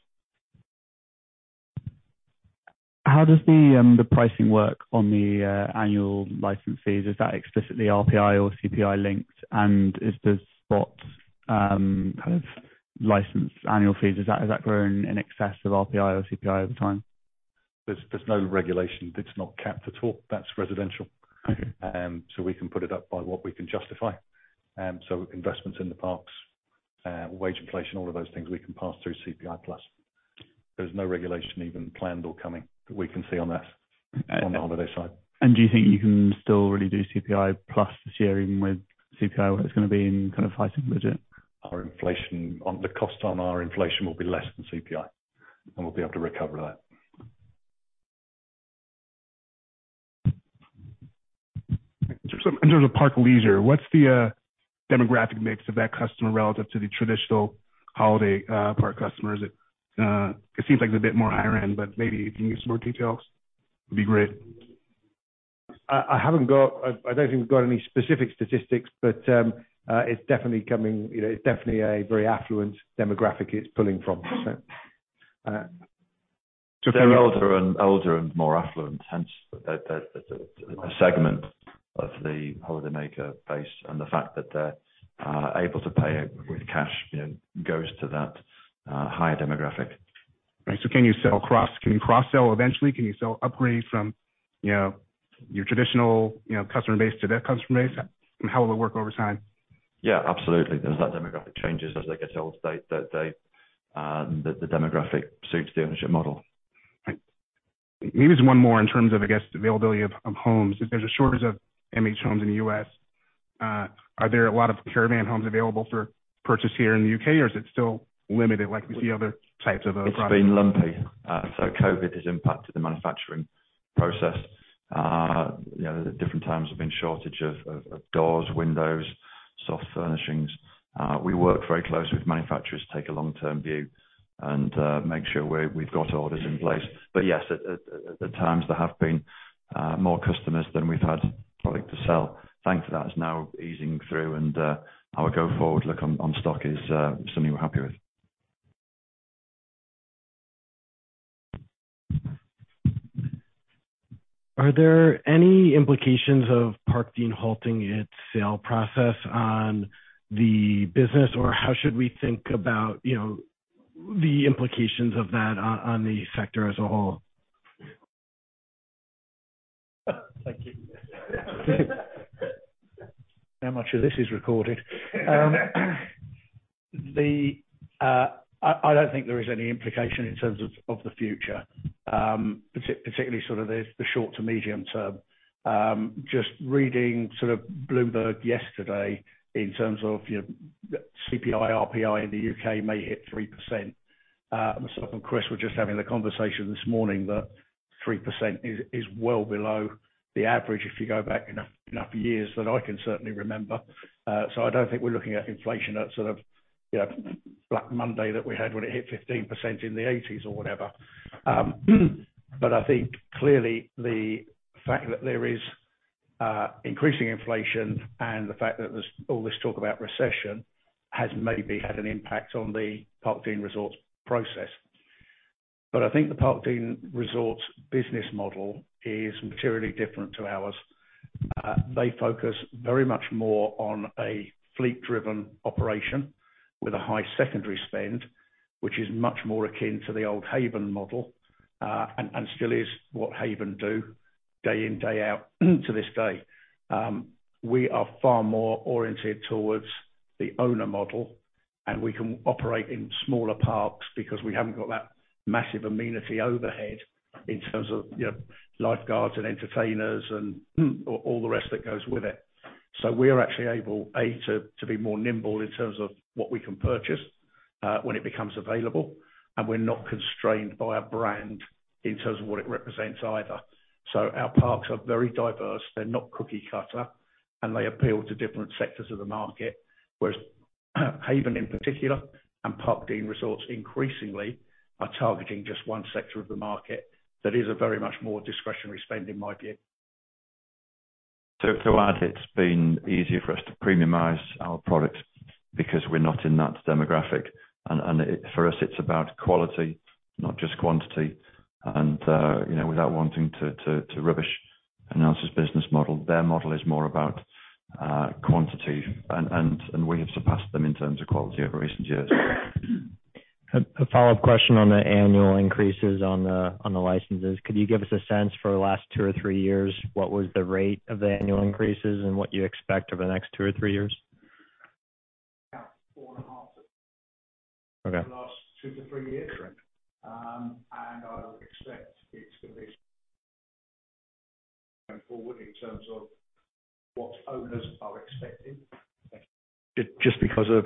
How does the pricing work on the annual license fees? Is that explicitly RPI or CPI linked? Is the spots kind of license annual fees growing in excess of RPI or CPI over time? There's no regulation. It's not capped at all. That's residential. Okay. We can put it up by what we can justify. Investments in the parks, wage inflation, all of those things we can pass through CPI plus. There's no regulation even planned or coming that we can see on that on the holiday side. Do you think you can still really do CPI plus this year, even with CPI, where it's gonna be in kind of tightening budget? Our cost inflation will be less than CPI, and we'll be able to recover that. In terms of Park Leisure, what's the demographic mix of that customer relative to the traditional holiday park customers? It seems like they're a bit more higher end, but maybe if you can give us some more details, it'd be great. I don't think we've got any specific statistics, but it's definitely coming. You know, it's definitely a very affluent demographic it's pulling from. They're older and more affluent, hence the segment of the holidaymaker base and the fact that they're able to pay with cash, you know, goes to that higher demographic. Right. Can you cross-sell eventually? Can you sell upgrades from, you know, your traditional, you know, customer base to their customer base? How will it work over time? Yeah, absolutely. There's that demographic changes as they get older. They the demographic suits the ownership model. Right. Maybe just one more in terms of, I guess, the availability of homes. If there's a shortage of MH homes in the U.S., are there a lot of caravan homes available for purchase here in the U.K., or is it still limited like we see other types of approaches? It's been lumpy. COVID has impacted the manufacturing process. You know, at different times there have been shortage of doors, windows, soft furnishings. We work very closely with manufacturers to take a long-term view and make sure we've got orders in place. Yes, at times there have been more customers than we've had product to sell. Thankfully, that is now easing through, and our go-forward look on stock is something we're happy with. Are there any implications of Parkdean halting its sale process on the business? Or how should we think about, you know, the implications of that on the sector as a whole? Thank you. How much of this is recorded? I don't think there is any implication in terms of the future, particularly sort of the short to medium term. Just reading sort of Bloomberg yesterday in terms of, you know, CPI, RPI in the U.K. may hit 3%. Myself and Chris were just having the conversation this morning that 3% is well below the average if you go back enough years that I can certainly remember. So I don't think we're looking at inflation at sort of, you know, Black Monday that we had when it hit 15% in the eighties or whatever. I think clearly the fact that there is increasing inflation and the fact that there's all this talk about recession has maybe had an impact on the Parkdean Resorts process. I think the Parkdean Resorts business model is materially different to ours. They focus very much more on a fleet-driven operation with a high secondary spend, which is much more akin to the old Haven model, and still is what Haven do day in, day out to this day. We are far more oriented towards the owner model, and we can operate in smaller parks because we haven't got that massive amenity overhead in terms of, you know, lifeguards and entertainers and all the rest that goes with it. We are actually able to be more nimble in terms of what we can purchase, when it becomes available, and we're not constrained by a brand in terms of what it represents either. Our parks are very diverse. They're not cookie cutter, and they appeal to different sectors of the market. Whereas Haven in particular, and Parkdean Resorts increasingly are targeting just one sector of the market that is a very much more discretionary spend, in my view. To add, it's been easier for us to premiumize our product because we're not in that demographic. For us, it's about quality, not just quantity. You know, without wanting to rubbish another's business model, their model is more about quantity. We have surpassed them in terms of quality over recent years. A follow-up question on the licenses. Could you give us a sense for the last two or three years, what was the rate of the annual increases and what you expect over the next two or three years? About 4.5. Okay. The last two to three years. I would expect it's gonna be just because of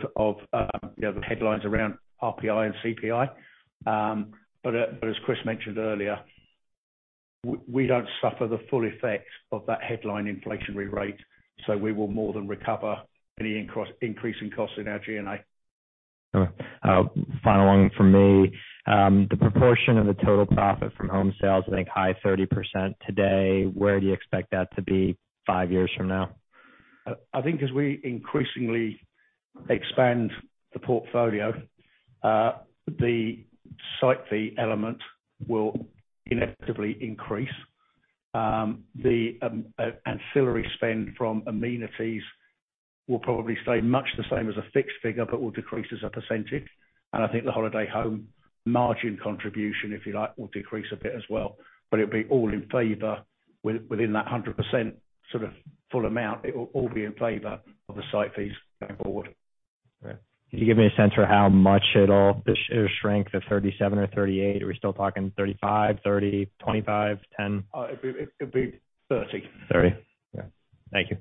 you know, the headlines around RPI and CPI. As Chris mentioned earlier, we don't suffer the full effects of that headline inflationary rate, so we will more than recover any increase in cost in our G&A. Final one from me. The proportion of the total profit from home sales, I think high 30s% today, where do you expect that to be five years from now? I think as we increasingly expand the portfolio, the site fee element will inevitably increase. The ancillary spend from amenities will probably stay much the same as a fixed figure, but will decrease as a percentage. I think the holiday home margin contribution, if you like, will decrease a bit as well. It'll be all in favor within that 100% sort of full amount. It will all be in favor of the site fees going forward. Right. Could you give me a sense for how much it'll shrink? The 37 or 38? Are we still talking 35, 30, 25, 10? It'd be 30. 30? Yeah. Thank you.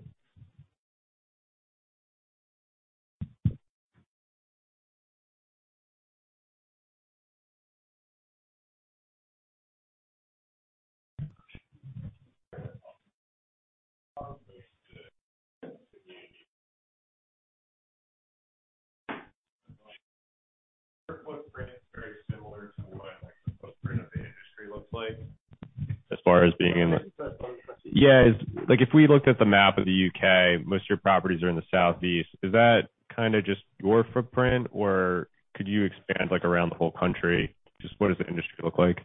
Sorry. Yeah. Like, if we looked at the map of the U.K., most of your properties are in the southeast. Is that kinda just your footprint, or could you expand, like, around the whole country? Just what does the industry look like?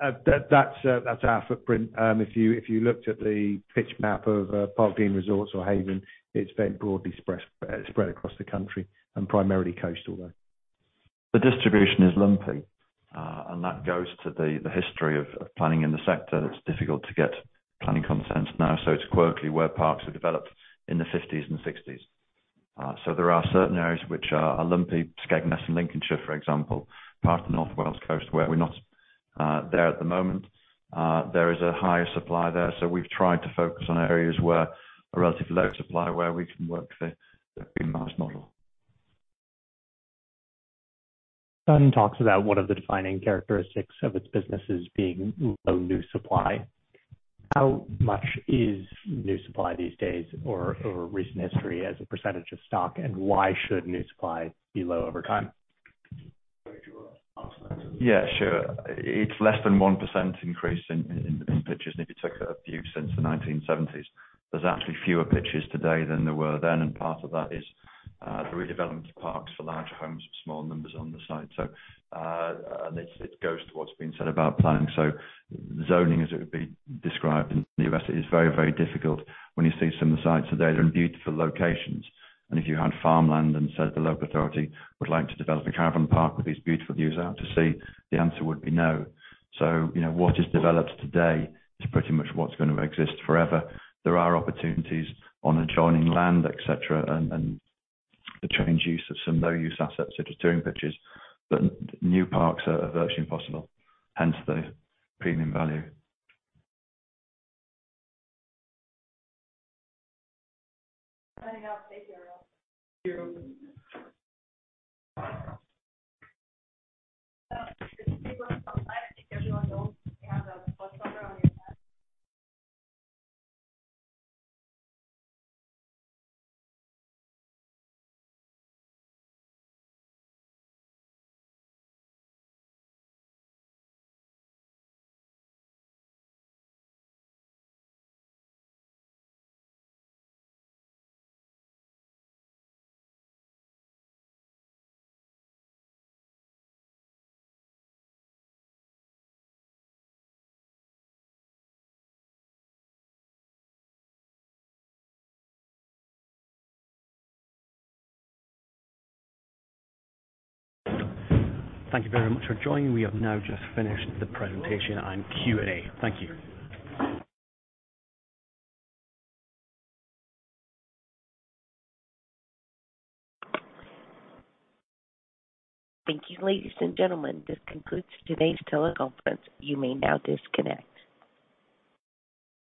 That's our footprint. If you looked at the pitch map of Parkdean Resorts or Haven, it's very broadly spread across the country, and primarily coastal, though. The distribution is lumpy. That goes to the history of planning in the sector. It's difficult to get planning consent now, so it's quirky where parks were developed in the fifties and sixties. There are certain areas which are lumpy. Skegness and Lincolnshire, for example. Part of the North Wales coast where we're not there at the moment. There is a higher supply there. We've tried to focus on areas where a relatively low supply, where we can work the premiumized model. Sun talks about one of the defining characteristics of its businesses being low new supply. How much is new supply these days or recent history as a percentage of stock, and why should new supply be low over time? Chris, do you wanna answer that? Yeah, sure. It's less than 1% increase in pitches, and if you took a view since the 1970s, there's actually fewer pitches today than there were then, and part of that is the redevelopment of parks for larger homes with small numbers on the site. This goes to what's been said about planning. Zoning, as it would be described in the U.S., it is very, very difficult when you see some of the sites today. They're in beautiful locations, and if you had farmland and said the local authority would like to develop a caravan park with these beautiful views out to sea, the answer would be no. You know, what is developed today is pretty much what's gonna exist forever. There are opportunities on adjoining land, et cetera, and the change of use of some low use assets such as touring pitches, but new parks are virtually impossible, hence the premium value. Thank you very much for joining. We have now just finished the presentation and Q&A. Thank you. Thank you, ladies and gentlemen. This concludes today's teleconference. You may now disconnect.